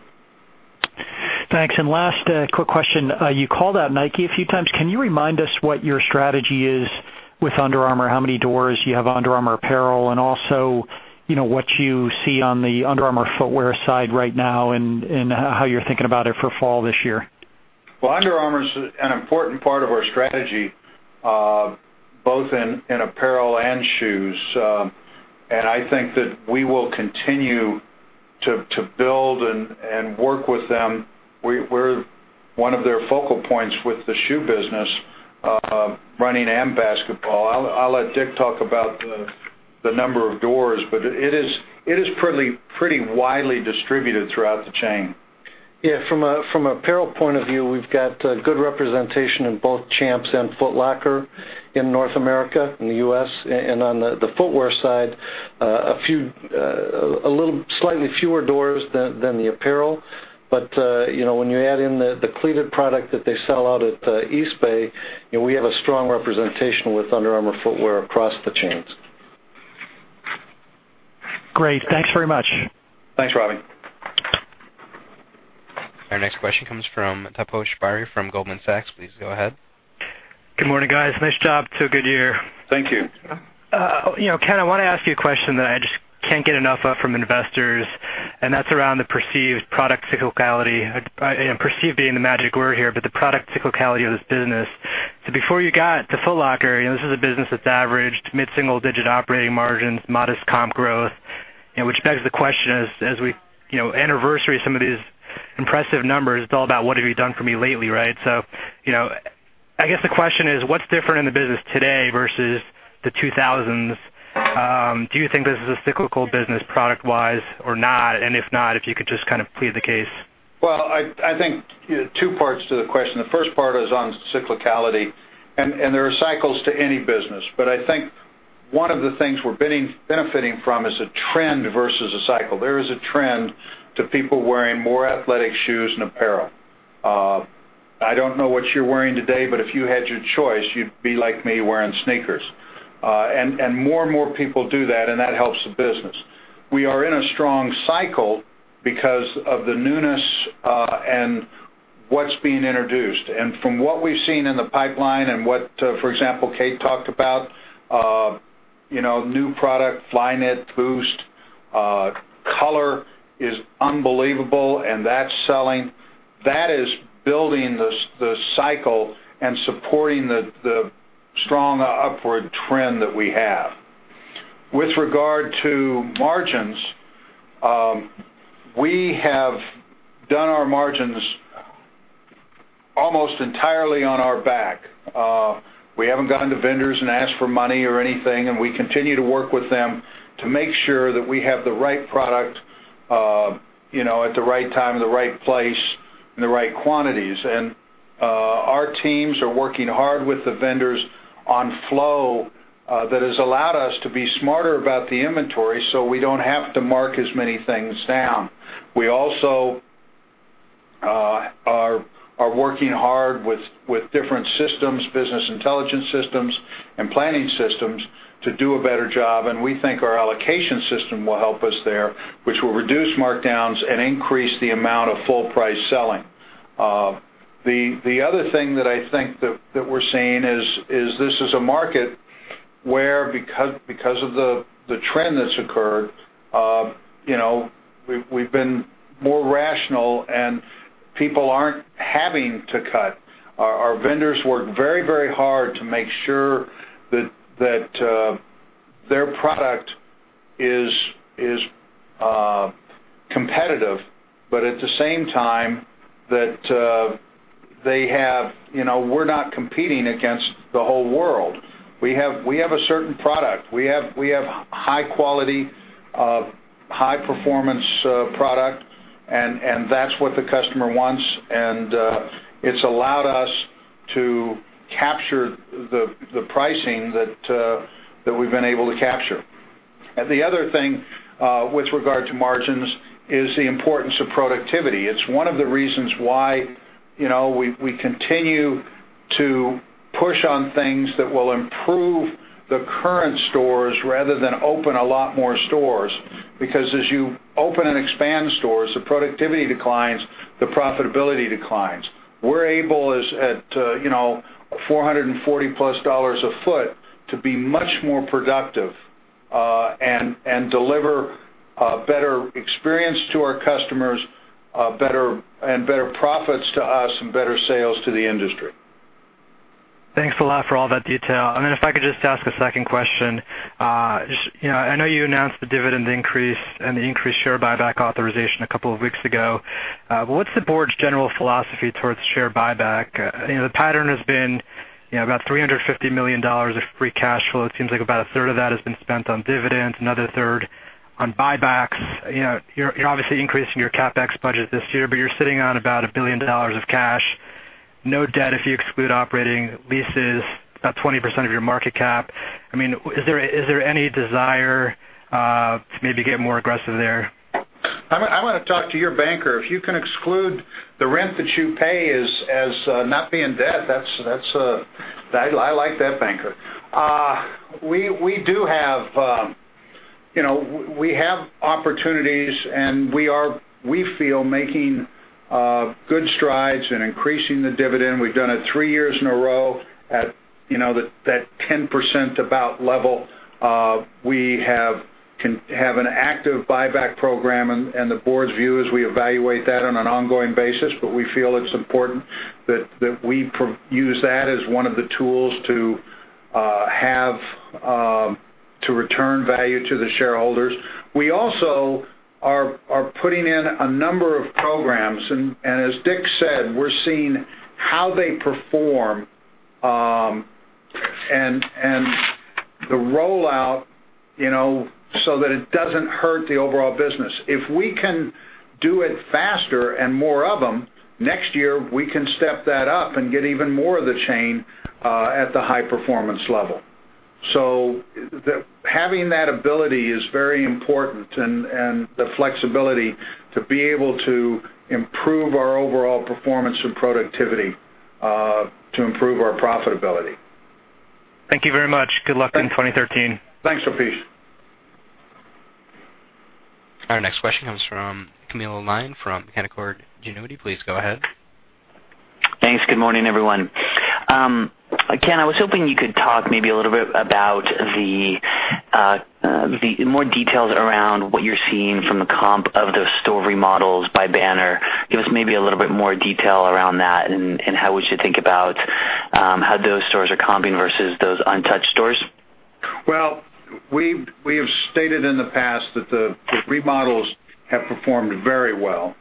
Thanks. Last quick question. You called out Nike a few times. Can you remind us what your strategy is with Under Armour, how many doors you have Under Armour apparel, and also, what you see on the Under Armour footwear side right now and how you're thinking about it for fall this year? Well, Under Armour's an important part of our strategy both in apparel and shoes. I think that we will continue to build and work with them. We're one of their focal points with the shoe business, running and basketball. I'll let Dick talk about the number of doors, but it is pretty widely distributed throughout the chain. Yeah, from apparel point of view, we've got good representation in both Champs and Foot Locker in North America, in the U.S. On the footwear side, a little slightly fewer doors than the apparel. When you add in the cleated product that they sell out at Eastbay, we have a strong representation with Under Armour footwear across the chains. Great. Thanks very much. Thanks, Robbie. Our next question comes from Taposh Bari from Goldman Sachs. Please go ahead. Good morning, guys. Nice job. It's a good year. Thank you. Ken, I want to ask you a question that I just can't get enough of from investors, that's around the perceived product cyclicality. Perceived being the magic word here, but the product cyclicality of this business. Before you got to Foot Locker, this is a business that's averaged mid-single-digit operating margins, modest comp growth. Which begs the question, as we anniversary some of these impressive numbers, it's all about what have you done for me lately, right? I guess the question is, what's different in the business today versus the 2000s? Do you think this is a cyclical business product-wise or not? If not, if you could just kind of plead the case. I think two parts to the question. The first part is on cyclicality, there are cycles to any business. I think one of the things we're benefiting from is a trend versus a cycle. There is a trend to people wearing more athletic shoes and apparel. I don't know what you're wearing today, but if you had your choice, you'd be like me wearing sneakers. More and more people do that, and that helps the business. We are in a strong cycle because of the newness and what's being introduced. From what we've seen in the pipeline and what, for example, Kate talked about, new product, Nike Flyknit, Adidas Boost, color is unbelievable, and that's selling. That is building the cycle and supporting the strong upward trend that we have. With regard to margins, we have done our margins almost entirely on our back. We haven't gone to vendors and asked for money or anything, we continue to work with them to make sure that we have the right product at the right time, the right place, and the right quantities. Our teams are working hard with the vendors on flow that has allowed us to be smarter about the inventory so we don't have to mark as many things down. We also are working hard with different systems, business intelligence systems and planning systems to do a better job. We think our allocation system will help us there, which will reduce markdowns and increase the amount of full-price selling. The other thing that I think that we're seeing is this is a market where, because of the trend that's occurred, we've been more rational and people aren't having to cut. Our vendors work very hard to make sure that their product is competitive, but at the same time, that we're not competing against the whole world. We have a certain product. We have high quality, high performance product, and that's what the customer wants, and it's allowed us to capture the pricing that we've been able to capture. The other thing with regard to margins is the importance of productivity. It's one of the reasons why we continue to push on things that will improve the current stores rather than open a lot more stores. Because as you open and expand stores, the productivity declines, the profitability declines. We're able, at $440 plus a foot, to be much more productive, and deliver a better experience to our customers, and better profits to us, and better sales to the industry. Thanks a lot for all that detail. If I could just ask a second question. I know you announced the dividend increase and the increased share buyback authorization a couple of weeks ago. What's the board's general philosophy towards share buyback? The pattern has been about $350 million of free cash flow. It seems like about a third of that has been spent on dividends, another third on buybacks. You're obviously increasing your CapEx budget this year, but you're sitting on about a billion dollars of cash, no debt if you exclude operating leases, about 20% of your market cap. Is there any desire to maybe get more aggressive there? I want to talk to your banker. If you can exclude the rent that you pay as not being debt, I like that banker. We have opportunities, we feel making good strides in increasing the dividend. We've done it three years in a row at that 10% about level. We have an active buyback program, the board's view is we evaluate that on an ongoing basis, we feel it's important that we use that as one of the tools to return value to the shareholders. We also are putting in a number of programs, as Dick said, we're seeing how they perform, and the rollout, so that it doesn't hurt the overall business. If we can do it faster and more of them, next year, we can step that up and get even more of the chain at the high performance level. Having that ability is very important and the flexibility to be able to improve our overall performance and productivity to improve our profitability. Thank you very much. Good luck in 2013. Thanks, Taposh. Our next question comes from Camilo Lyon from Canaccord Genuity. Please go ahead. Thanks. Good morning, everyone. Ken, I was hoping you could talk maybe a little bit about the more details around what you're seeing from the comp of those store remodels by banner. Give us maybe a little bit more detail around that and how we should think about how those stores are comping versus those untouched stores. We have stated in the past that the remodels have performed very well.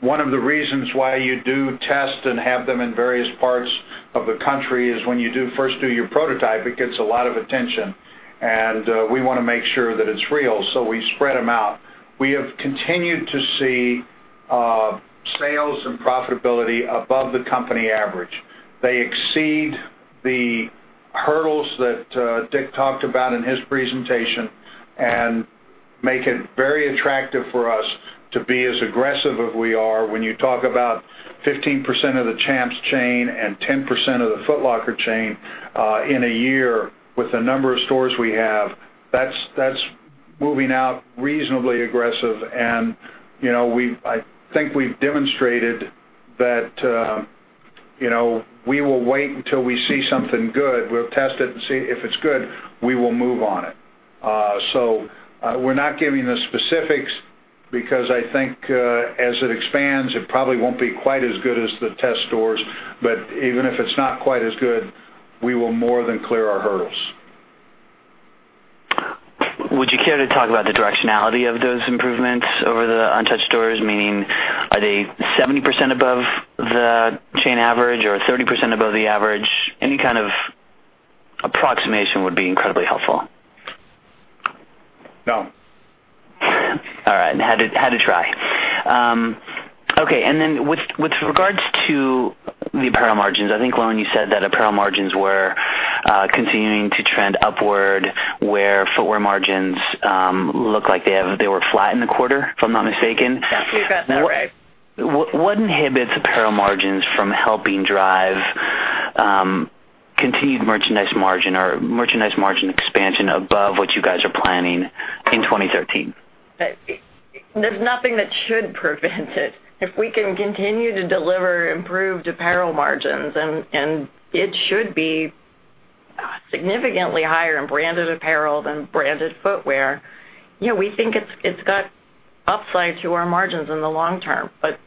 One of the reasons why you do tests and have them in various parts of the country is when you first do your prototype, it gets a lot of attention, and we want to make sure that it's real, so we spread them out. We have continued to see sales and profitability above the company average. They exceed the hurdles that Dick talked about in his presentation and make it very attractive for us to be as aggressive as we are. When you talk about 15% of the Champs chain and 10% of the Foot Locker chain in a year with the number of stores we have, that's moving out reasonably aggressive. I think we've demonstrated that we will wait until we see something good. We'll test it and see. If it's good, we will move on it. We're not giving the specifics because I think as it expands, it probably won't be quite as good as the test stores. Even if it's not quite as good, we will more than clear our hurdles. Would you care to talk about the directionality of those improvements over the untouched stores? Meaning, are they 70% above the chain average or 30% above the average? Any kind of approximation would be incredibly helpful. No. All right. Had to try. With regards to the apparel margins, I think, Lauren, you said that apparel margins were continuing to trend upward, where footwear margins look like they were flat in the quarter, if I'm not mistaken. What inhibits apparel margins from helping drive continued merchandise margin or merchandise margin expansion above what you guys are planning in 2013? There's nothing that should prevent it. If we can continue to deliver improved apparel margins, it should be significantly higher in branded apparel than branded footwear. We think it's got upside to our margins in the long term, but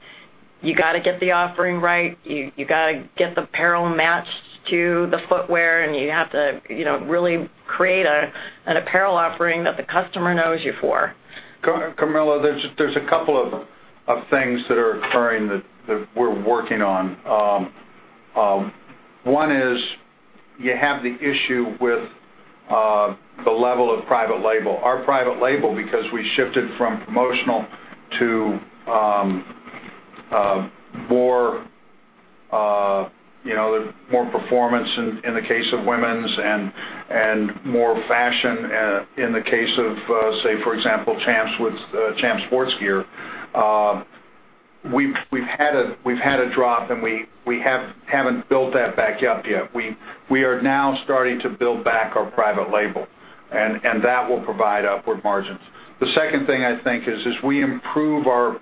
you got to get the offering right. You got to get the apparel matched to the footwear, you have to really create an apparel offering that the customer knows you for. Camilo, there's a couple of things that are occurring that we're working on. One is you have the issue with the level of private label. Our private label, because we shifted from promotional to more performance in the case of women's and more fashion in the case of, say for example, Champs Sports Gear. We've had a drop, we haven't built that back up yet. We are now starting to build back our private label, that will provide upward margins. The second thing, I think, is we improve our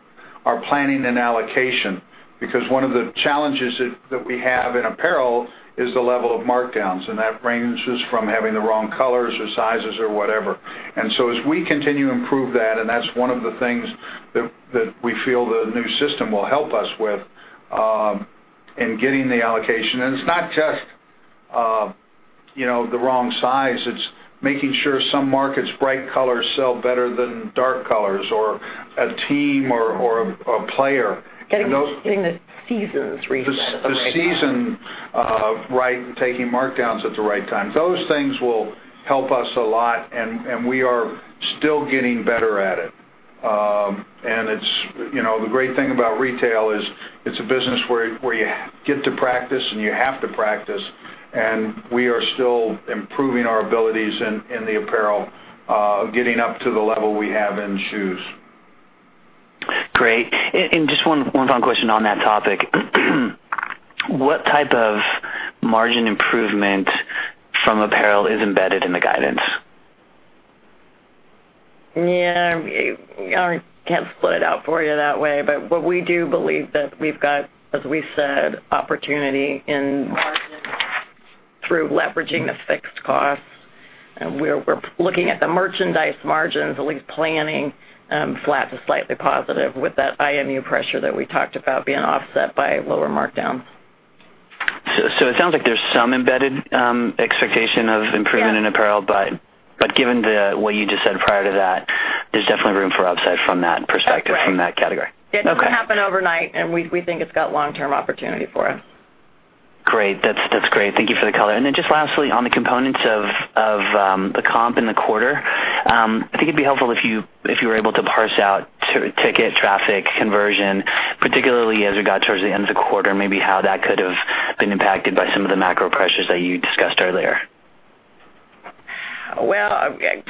planning and allocation because one of the challenges that we have in apparel is the level of markdowns, that ranges from having the wrong colors or sizes or whatever. As we continue to improve that's one of the things that we feel the new system will help us with in getting the allocation. It's not just the wrong size, it's making sure some markets' bright colors sell better than dark colors or a team or a player. Getting the seasons read at the right time. The season right, taking markdowns at the right time. Those things will help us a lot. We are still getting better at it. The great thing about retail is it's a business where you get to practice, you have to practice. We are still improving our abilities in the apparel, getting up to the level we have in shoes. Great. Just one final question on that topic. What type of margin improvement from apparel is embedded in the guidance? Yeah. I can't split it out for you that way. What we do believe that we've got, as we said, opportunity in margin through leveraging the fixed costs. We're looking at the merchandise margins, at least planning, flat to slightly positive with that IMU pressure that we talked about being offset by lower markdowns. It sounds like there's some embedded expectation of improvement. Yes in apparel, given what you just said prior to that, there's definitely room for upside from that perspective. That's right. from that category. Okay. It's not going to happen overnight. We think it's got long-term opportunity for us. Great. That's great. Thank you for the color. Just lastly, on the components of the comp in the quarter, I think it'd be helpful if you were able to parse out ticket traffic conversion, particularly as we got towards the end of the quarter, maybe how that could have been impacted by some of the macro pressures that you discussed earlier. Well, I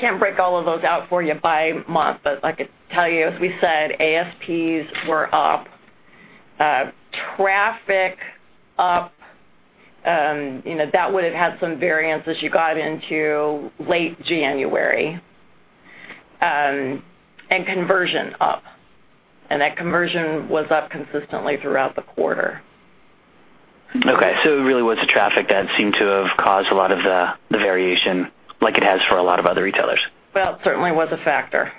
can't break all of those out for you by month, I could tell you, as we said, ASPs were up. Traffic up, that would've had some variance as you got into late January. Conversion up, and that conversion was up consistently throughout the quarter. Okay, it really was the traffic that seemed to have caused a lot of the variation, like it has for a lot of other retailers. Well, it certainly was a factor.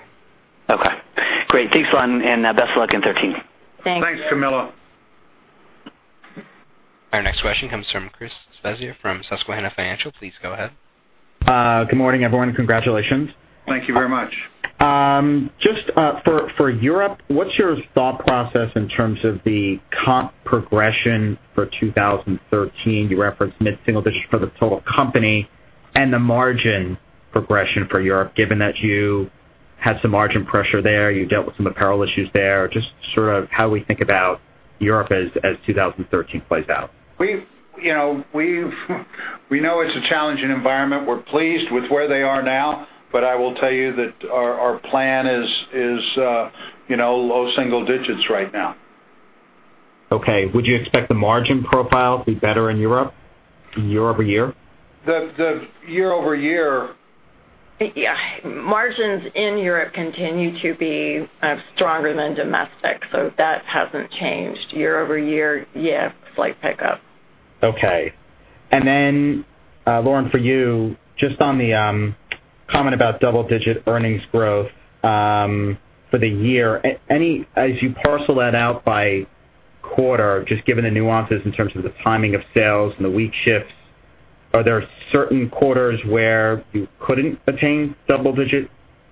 Okay. Great. Thanks a lot. Best of luck in 2013. Thanks. Thanks, Camilo. Our next question comes from Chris Svezia from Susquehanna Financial. Please go ahead. Good morning, everyone. Congratulations. Thank you very much. Just for Europe, what's your thought process in terms of the comp progression for 2013? You referenced mid-single digits for the total company and the margin progression for Europe, given that you had some margin pressure there, you dealt with some apparel issues there. Just sort of how we think about Europe as 2013 plays out. We know it's a challenging environment. We're pleased with where they are now, I will tell you that our plan is low single digits right now. Okay. Would you expect the margin profile to be better in Europe, year-over-year? The year-over-year- Margins in Europe continue to be stronger than domestic, that hasn't changed. Year-over-year, yeah, slight pickup. Okay. Lauren, for you, just on the comment about double-digit earnings growth for the year. As you parcel that out by quarter, just given the nuances in terms of the timing of sales and the week shifts, are there certain quarters where you couldn't attain double-digit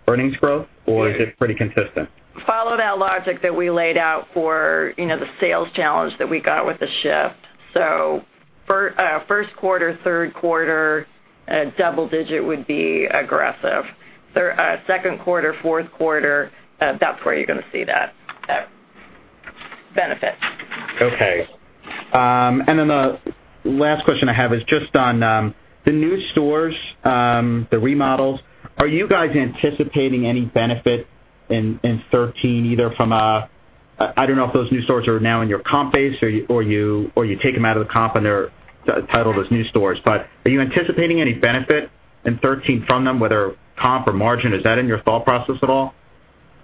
earnings growth, or is it pretty consistent? Follow that logic that we laid out for the sales challenge that we got with the shift. For first quarter, third quarter, double-digit would be aggressive. Second quarter, fourth quarter, that's where you're going to see that benefit. Okay. The last question I have is just on the new stores, the remodels. Are you guys anticipating any benefit in 2013, either from I don't know if those new stores are now in your comp base or you take them out of the comp and they're titled as new stores, are you anticipating any benefit in 2013 from them, whether comp or margin? Is that in your thought process at all?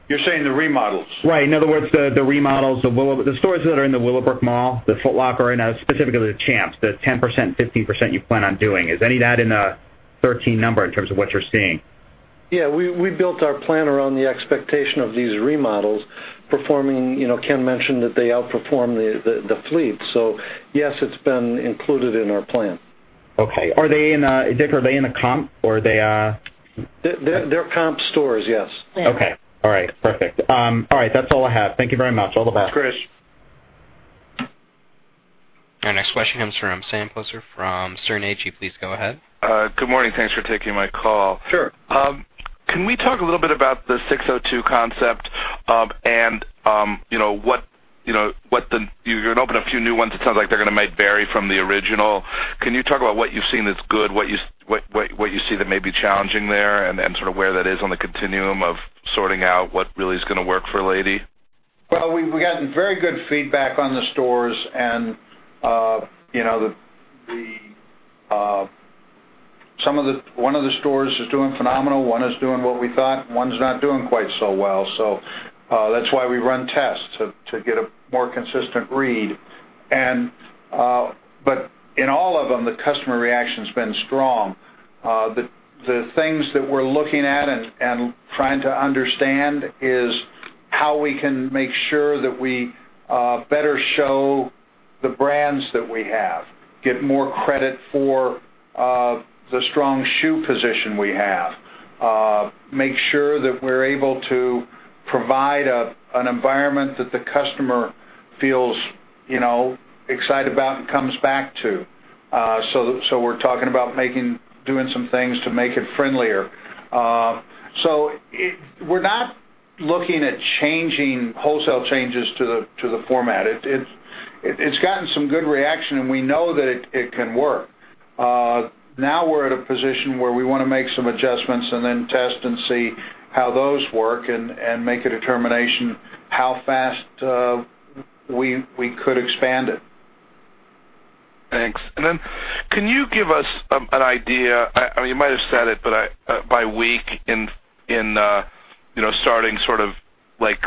You're saying the remodels? Right. In other words, the remodels, the stores that are in the Willowbrook Mall, the Foot Locker, and specifically the Champs, the 10%-15% you plan on doing. Is any of that in the 2013 number in terms of what you're seeing? Yeah. We built our plan around the expectation of these remodels performing. Ken mentioned that they outperform the fleet. Yes, it's been included in our plan. Okay. Dick, are they in a comp or are they a? They're comp stores, yes. Okay. All right. Perfect. All right. That's all I have. Thank you very much. All the best. Thanks, Chris. Our next question comes from Sam Poser from Sterne Agee. Please go ahead. Good morning. Thanks for taking my call. Sure. Can we talk a little bit about the SIX:02 concept? You're going to open a few new ones. It sounds like they're going to might vary from the original. Can you talk about what you've seen that's good, what you see that may be challenging there, and sort of where that is on the continuum of sorting out what really is going to work for Lady? Well, we had very good feedback on the stores and one of the stores is doing phenomenal. One is doing what we thought. One's not doing quite so well. That's why we run tests, to get a more consistent read. In all of them, the customer reaction's been strong. The things that we're looking at and trying to understand is how we can make sure that we better show the brands that we have, get more credit for the strong shoe position we have, make sure that we're able to provide an environment that the customer feels excited about and comes back to. We're talking about doing some things to make it friendlier. We're not looking at changing wholesale changes to the format. It's gotten some good reaction, and we know that it can work. Now we're at a position where we want to make some adjustments and then test and see how those work and make a determination how fast we could expand it. Thanks. Then can you give us an idea, you might have said it, but by week in starting sort of like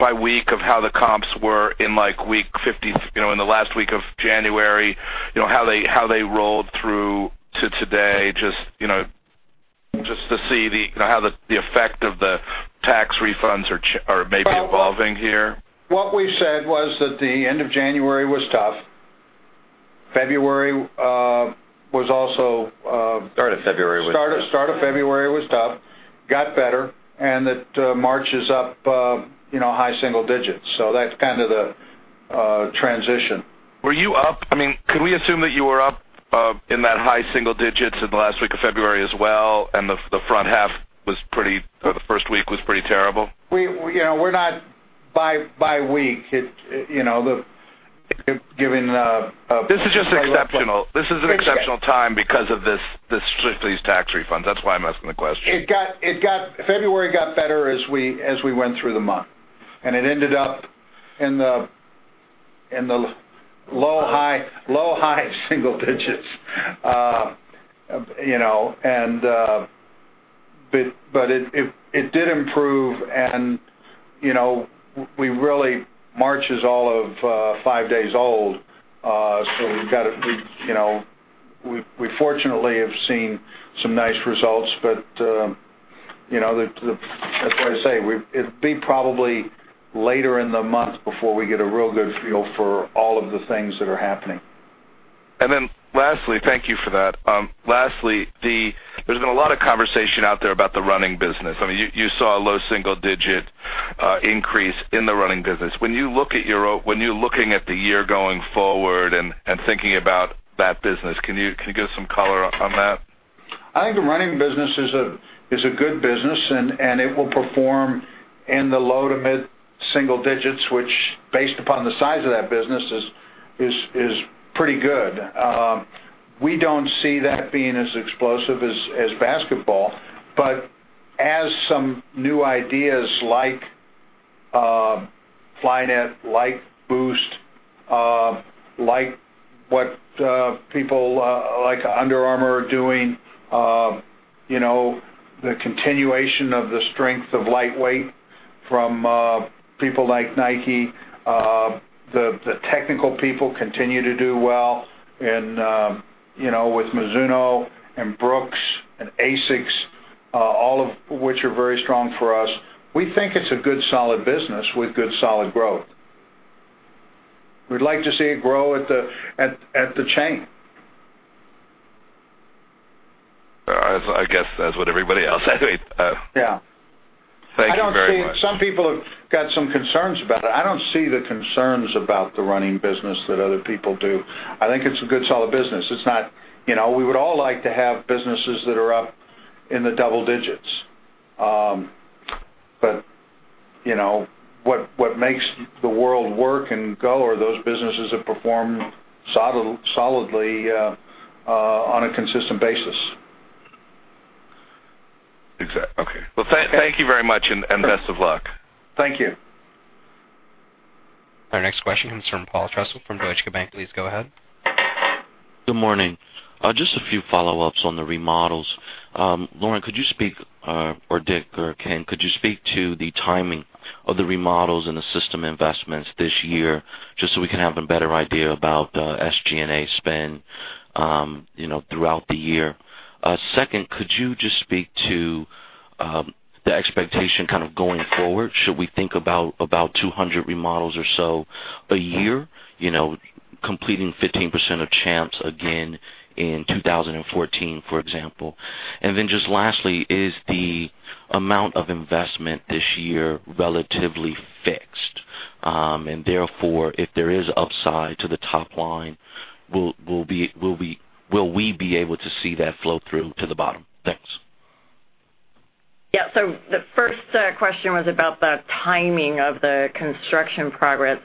by week of how the comps were in the last week of January, how they rolled through to today, just to see how the effect of the tax refunds are maybe evolving here. What we said was that the end of January was tough. February was also- Start of February was- Start of February was tough, got better, that March is up high single digits. That's kind of the transition. Can we assume that you were up in that high single digits in the last week of February as well, the front half was pretty, the first week was pretty terrible? We're not by week giving. This is just exceptional. This is an exceptional time because of these tax refunds. That's why I'm asking the question. February got better as we went through the month, and it ended up in the low high single digits. It did improve. March is all of 5 days old. We fortunately have seen some nice results, but as I say, it'd be probably later in the month before we get a real good feel for all of the things that are happening. Lastly, thank you for that. Lastly, there's been a lot of conversation out there about the running business. You saw a low single-digit increase in the running business. When you're looking at the year going forward and thinking about that business, can you give some color on that? I think the running business is a good business. It will perform in the low to mid-single digits, which, based upon the size of that business, is pretty good. We don't see that being as explosive as basketball, but as some new ideas like Flyknit, like Boost, like what people like Under Armour are doing, the continuation of the strength of lightweight from people like Nike. The technical people continue to do well and with Mizuno and Brooks and ASICS, all of which are very strong for us. We think it's a good, solid business with good, solid growth. We'd like to see it grow at the chain. I guess that's what everybody else. Yeah. Thank you very much. Some people have got some concerns about it. I don't see the concerns about the running business that other people do. I think it's a good, solid business. We would all like to have businesses that are up in the double digits What makes the world work and go are those businesses that perform solidly on a consistent basis. Exact. Okay. Well, thank you very much, and best of luck. Thank you. Our next question comes from Paul Trussell from Deutsche Bank. Please go ahead. Good morning. Just a few follow-ups on the remodels. Lauren, could you speak, or Dick or Ken, could you speak to the timing of the remodels and the system investments this year just so we can have a better idea about the SG&A spend throughout the year? Second, could you just speak to the expectation kind of going forward? Should we think about 200 remodels or so a year, completing 15% of Champs again in 2014, for example? Just lastly, is the amount of investment this year relatively fixed? And therefore, if there is upside to the top line, will we be able to see that flow through to the bottom? Thanks. Yeah. The first question was about the timing of the construction projects.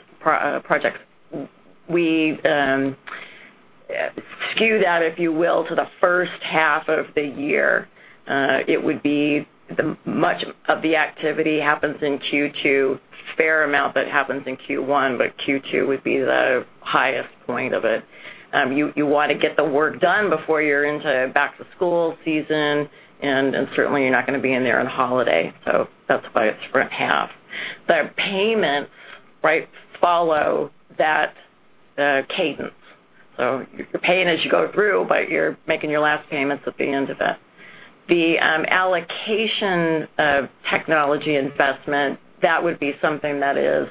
We skew that, if you will, to the first half of the year. Much of the activity happens in Q2. Fair amount that happens in Q1, but Q2 would be the highest point of it. You want to get the work done before you're into back-to-school season, certainly, you're not going to be in there on holiday. That's why it's front half. The payments follow that cadence. You're paying as you go through, but you're making your last payments at the end of it. The allocation of technology investment, that would be something that is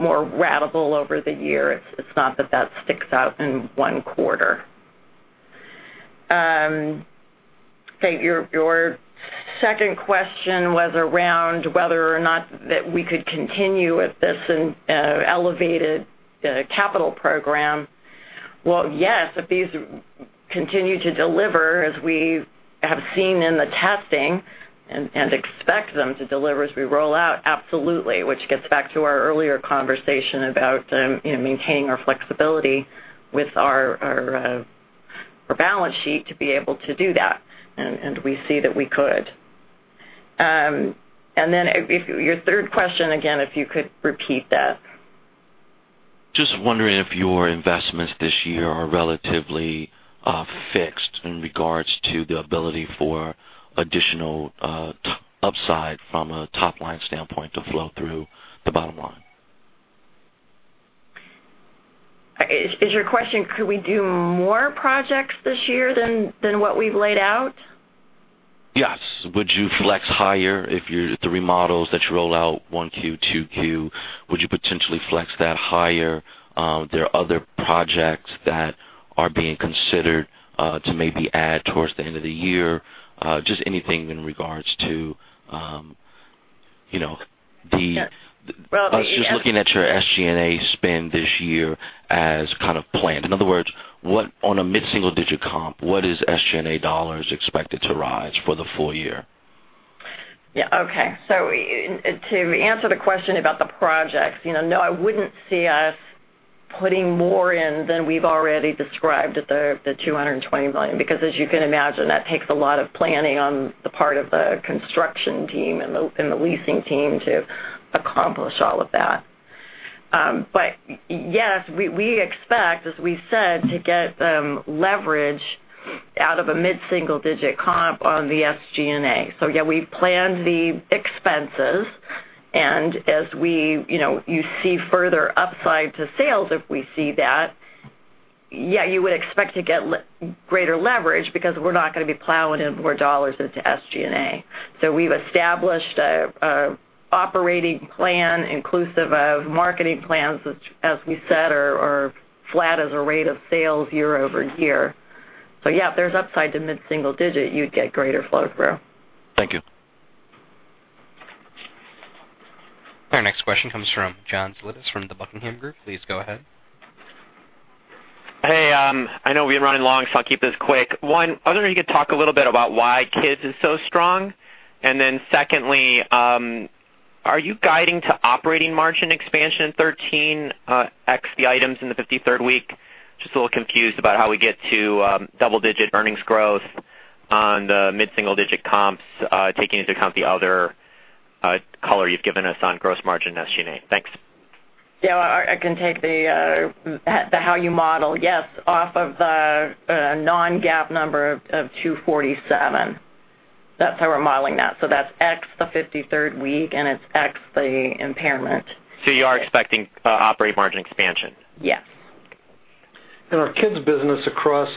more ratable over the year. It's not that sticks out in one quarter. Okay. Your second question was around whether or not that we could continue with this elevated capital program. Well, yes, if these continue to deliver, as we have seen in the testing and expect them to deliver as we roll out, absolutely. Which gets back to our earlier conversation about maintaining our flexibility with our balance sheet to be able to do that. We see that we could. Your third question, again, if you could repeat that. Just wondering if your investments this year are relatively fixed in regards to the ability for additional upside from a top-line standpoint to flow through the bottom line. Is your question, could we do more projects this year than what we've laid out? Yes. Would you flex higher if the remodels that you roll out one Q, two Q, would you potentially flex that higher? There are other projects that are being considered to maybe add towards the end of the year. Yes. I was just looking at your SG&A spend this year as kind of planned. In other words, on a mid-single-digit comp, what is SG&A dollars expected to rise for the full year? Yeah. Okay. To answer the question about the projects, no, I wouldn't see us putting more in than we've already described at the $220 million because as you can imagine, that takes a lot of planning on the part of the construction team and the leasing team to accomplish all of that. Yes, we expect, as we said, to get leverage out of a mid-single-digit comp on the SG&A. Yeah, we've planned the expenses, and as you see further upside to sales, if we see that, yeah, you would expect to get greater leverage because we're not going to be plowing in more dollars into SG&A. We've established an operating plan inclusive of marketing plans, which, as we said, are flat as a rate of sales year-over-year. Yeah, if there's upside to mid-single digit, you'd get greater flow-through. Thank you. Our next question comes from John Zolidis from the Buckingham Group. Please go ahead. Hey. I know we've been running long. I'll keep this quick. One, I wonder if you could talk a little bit about why Kids is so strong. Secondly, are you guiding to operating margin expansion 2013 ex the items in the 53rd week? Just a little confused about how we get to double-digit earnings growth on the mid-single-digit comps, taking into account the other color you've given us on gross margin SG&A. Thanks. Yeah. I can take the how you model. Yes, off of the non-GAAP number of $2.47. That's how we're modeling that. That's ex the 53rd week, and it's ex the impairment. You are expecting operating margin expansion? Yes. Our Kids business across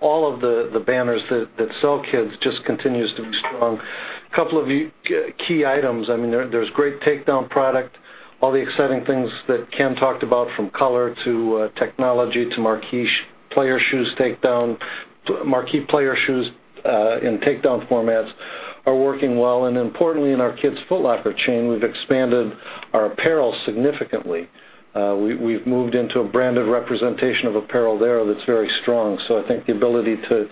all of the banners that sell Kids just continues to be strong. Couple of key items. There's great takedown product. All the exciting things that Ken talked about from color to technology to marquee player shoes in takedown formats are working well. Importantly, in our Kids Foot Locker chain, we've expanded our apparel significantly. We've moved into a branded representation of apparel there that's very strong. I think the ability to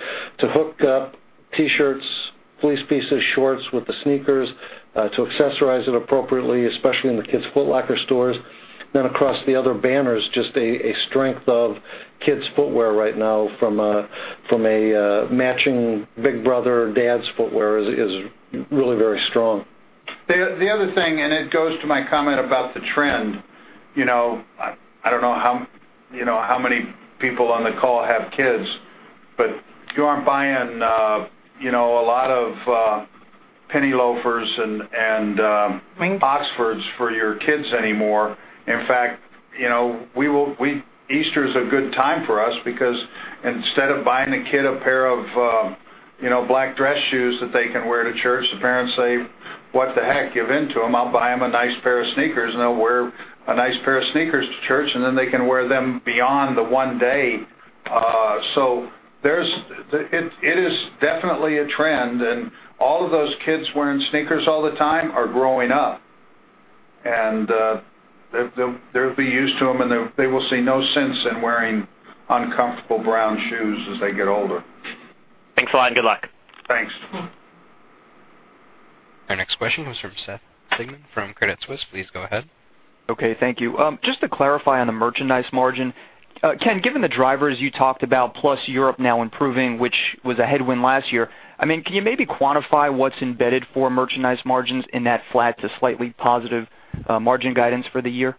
hook up T-shirts, fleece pieces, shorts with the sneakers to accessorize it appropriately, especially in the Kids Foot Locker stores. Across the other banners, just a strength of kids footwear right now from a matching big brother, dad's footwear is really very strong. The other thing, and it goes to my comment about the trend. I don't know how many people on the call have kids, but you aren't buying a lot of penny loafers and Oxfords for your kids anymore. In fact, Easter's a good time for us because instead of buying the kid a pair of black dress shoes that they can wear to church, the parents say, "What the heck," give in to them, "I'll buy them a nice pair of sneakers," and they'll wear a nice pair of sneakers to church, and then they can wear them beyond the one day. It is definitely a trend. All of those kids wearing sneakers all the time are growing up. They'll be used to them, and they will see no sense in wearing uncomfortable brown shoes as they get older. Thanks a lot, and good luck. Thanks. Our next question comes from Seth Sigman from Credit Suisse. Please go ahead. Okay, thank you. Just to clarify on the merchandise margin. Ken, given the drivers you talked about, plus Europe now improving, which was a headwind last year, can you maybe quantify what's embedded for merchandise margins in that flat to slightly positive margin guidance for the year?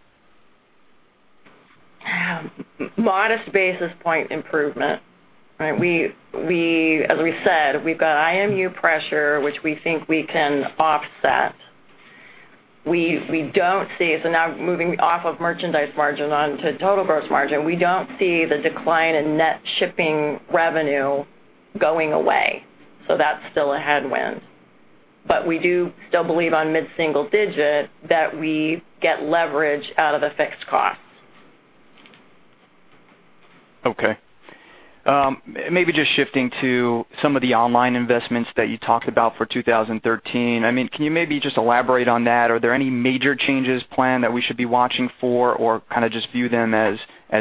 Modest basis point improvement, right? As we said, we've got IMU pressure, which we think we can offset. Now moving off of merchandise margin onto total gross margin, we don't see the decline in net shipping revenue going away. That's still a headwind. We do still believe on mid-single digit that we get leverage out of the fixed costs. Okay. Maybe just shifting to some of the online investments that you talked about for 2013. Can you maybe just elaborate on that? Are there any major changes planned that we should be watching for, or kind of just view them as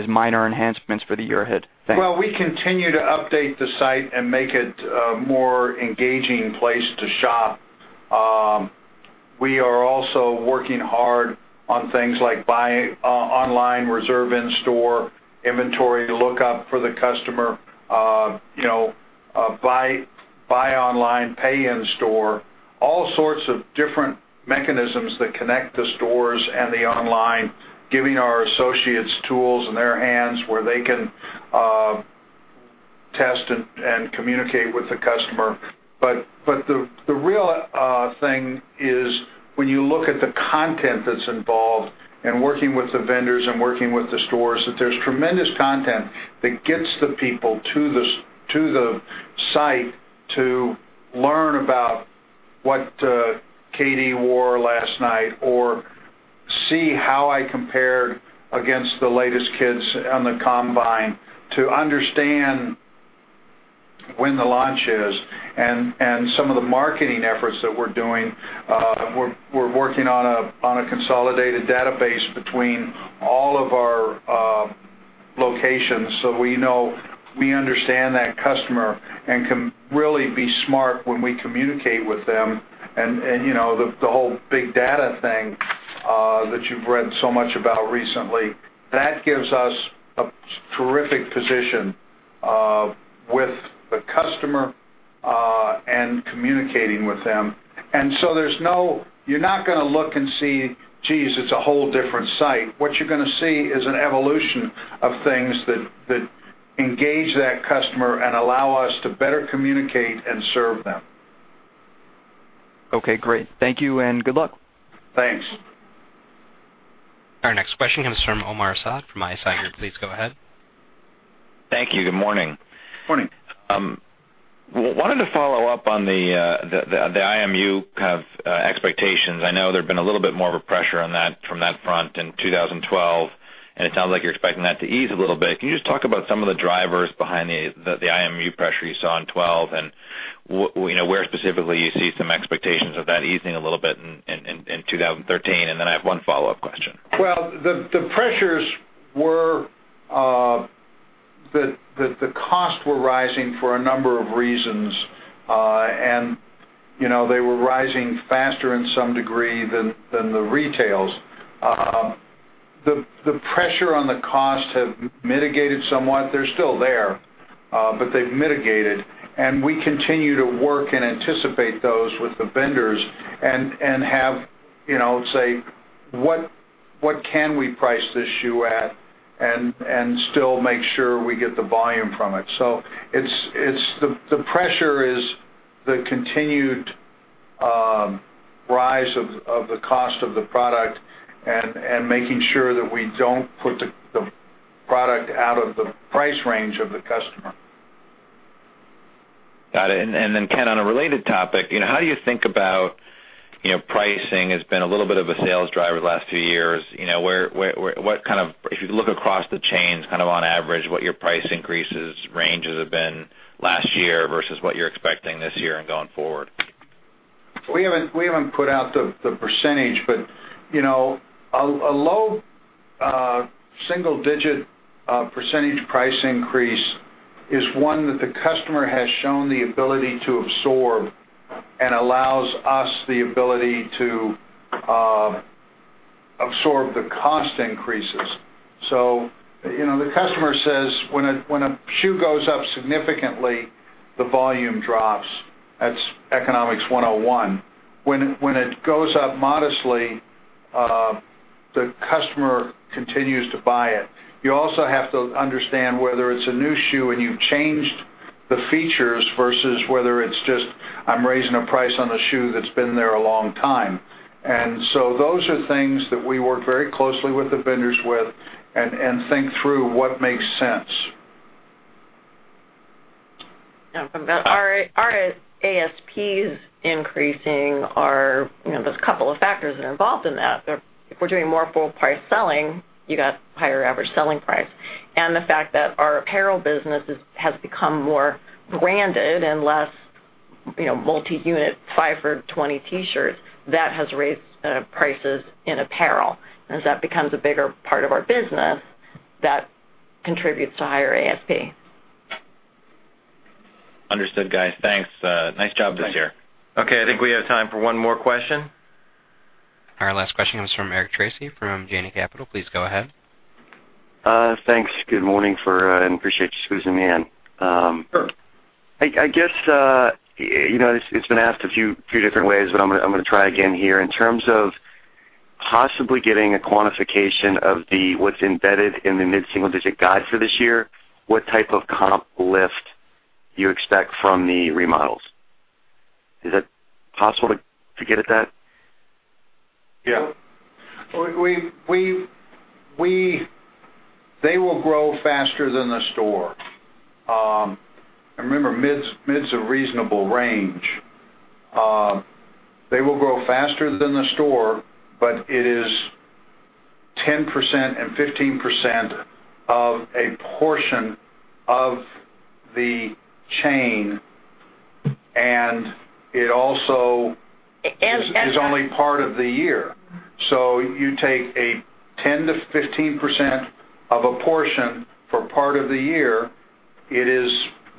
minor enhancements for the year ahead? Thanks. We continue to update the site and make it a more engaging place to shop. We are also working hard on things like buy online, reserve in-store, inventory lookup for the customer. Buy online, pay in-store, all sorts of different mechanisms that connect the stores and the online, giving our associates tools in their hands where they can test and communicate with the customer. The real thing is when you look at the content that's involved and working with the vendors and working with the stores, that there's tremendous content that gets the people to the site to learn about what KD wore last night or see how I compared against the latest kids on the combine to understand when the launch is and some of the marketing efforts that we're doing. We're working on a consolidated database between all of our locations so we understand that customer and can really be smart when we communicate with them and the whole big data thing that you've read so much about recently. That gives us a terrific position with the customer and communicating with them. You're not going to look and see, geez, it's a whole different site. What you're going to see is an evolution of things that engage that customer and allow us to better communicate and serve them. Great. Thank you, good luck. Thanks. Our next question comes from Omar Saad from ISI Group. Please go ahead. Thank you. Good morning. Morning. Wanted to follow up on the IMU kind of expectations. I know there've been a little bit more of a pressure on that from that front in 2012, it sounds like you're expecting that to ease a little bit. Can you just talk about some of the drivers behind the IMU pressure you saw in 2012, and where specifically you see some expectations of that easing a little bit in 2013? Then I have one follow-up question. Well, the pressures were that the costs were rising for a number of reasons. They were rising faster in some degree than the retails. The pressure on the cost have mitigated somewhat. They're still there, but they've mitigated, and we continue to work and anticipate those with the vendors and have, say, what can we price this shoe at and still make sure we get the volume from it. The pressure is the continued rise of the cost of the product and making sure that we don't put the product out of the price range of the customer. Got it. Then, Ken, on a related topic, how do you think about pricing has been a little bit of a sales driver the last few years. If you look across the chains kind of on average, what your price increases ranges have been last year versus what you're expecting this year and going forward? We haven't put out the percentage, but a low single-digit percentage price increase is one that the customer has shown the ability to absorb and allows us the ability to absorb the cost increases. The customer says when a shoe goes up significantly, the volume drops. That's Economics 101. When it goes up modestly, the customer continues to buy it. You also have to understand whether it's a new shoe and you've changed the features versus whether it's just, I'm raising a price on a shoe that's been there a long time. Those are things that we work very closely with the vendors with and think through what makes sense. Yeah. From our ASPs increasing, there's a couple of factors that are involved in that. If we're doing more full-price selling, you got higher average selling price. The fact that our apparel business has become more branded and less multi-unit, 5 for $20 T-shirts, that has raised prices in apparel. As that becomes a bigger part of our business, that contributes to higher ASP. Understood, guys. Thanks. Nice job this year. Thanks. Okay, I think we have time for one more question. Our last question comes from Eric Tracy from Janney Capital. Please go ahead. Thanks. Good morning, I appreciate you squeezing me in. Sure. I guess, it's been asked a few different ways, but I'm going to try again here. In terms of possibly getting a quantification of what's embedded in the mid-single digit guide for this year, what type of comp lift you expect from the remodels? Is that possible to get at that? Yeah. They will grow faster than the store. Remember, mid is a reasonable range. They will grow faster than the store, it is 10% and 15% of a portion of the chain, and it also is only part of the year. You take a 10%-15% of a portion for part of the year, it is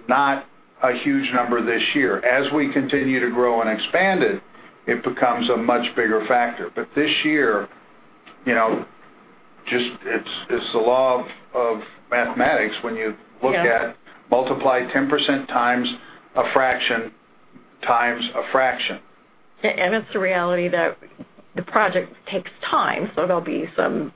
not a huge number this year. As we continue to grow and expand it becomes a much bigger factor. This year, it's the law of mathematics when you look at multiply 10% times a fraction, times a fraction. It's the reality that the project takes time, there'll be some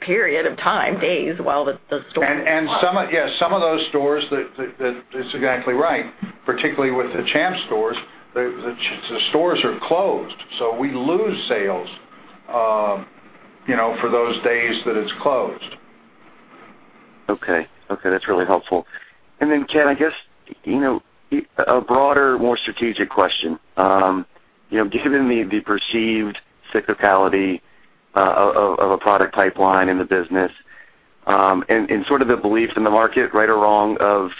period of time, days while the store is closed. Yes, some of those stores, that's exactly right. Particularly with the Champs stores, the stores are closed, we lose sales for those days that it's closed. Okay. That's really helpful. Then, Ken, I guess, a broader, more strategic question. Given the perceived cyclicality of a product pipeline in the business, and sort of the belief in the market, right or wrong, of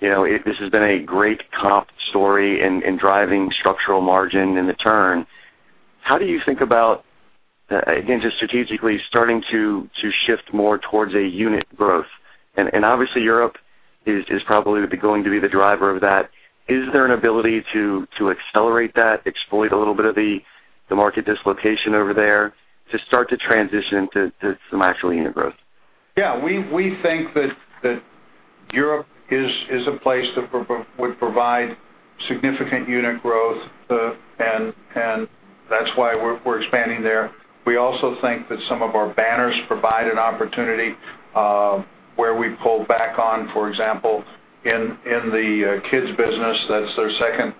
this has been a great comp story in driving structural margin and the turn, how do you think about, again, just strategically starting to shift more towards a unit growth? Obviously Europe is probably going to be the driver of that. Is there an ability to accelerate that, exploit a little bit of the market dislocation over there to start to transition to some actual unit growth? Yeah, we think that Europe is a place that would provide significant unit growth, and that's why we're expanding there. We also think that some of our banners provide an opportunity, where we pull back on, for example, in the kids business, that's their second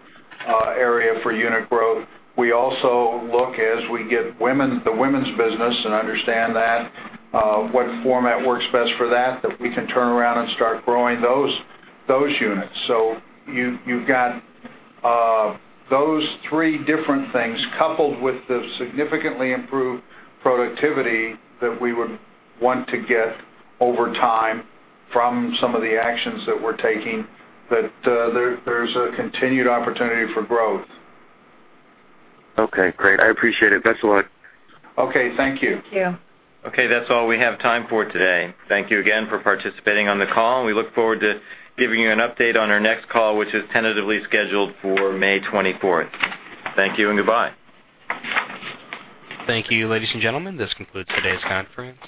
area for unit growth. We also look as we get the women's business and understand that, what format works best for that we can turn around and start growing those units. You've got those three different things coupled with the significantly improved productivity that we would want to get over time from some of the actions that we're taking, that there's a continued opportunity for growth. Okay, great. I appreciate it. Best of luck. Okay. Thank you. Thank you. Okay. That's all we have time for today. Thank you again for participating on the call, and we look forward to giving you an update on our next call, which is tentatively scheduled for May 24th. Thank you and goodbye. Thank you, ladies and gentlemen. This concludes today's conference.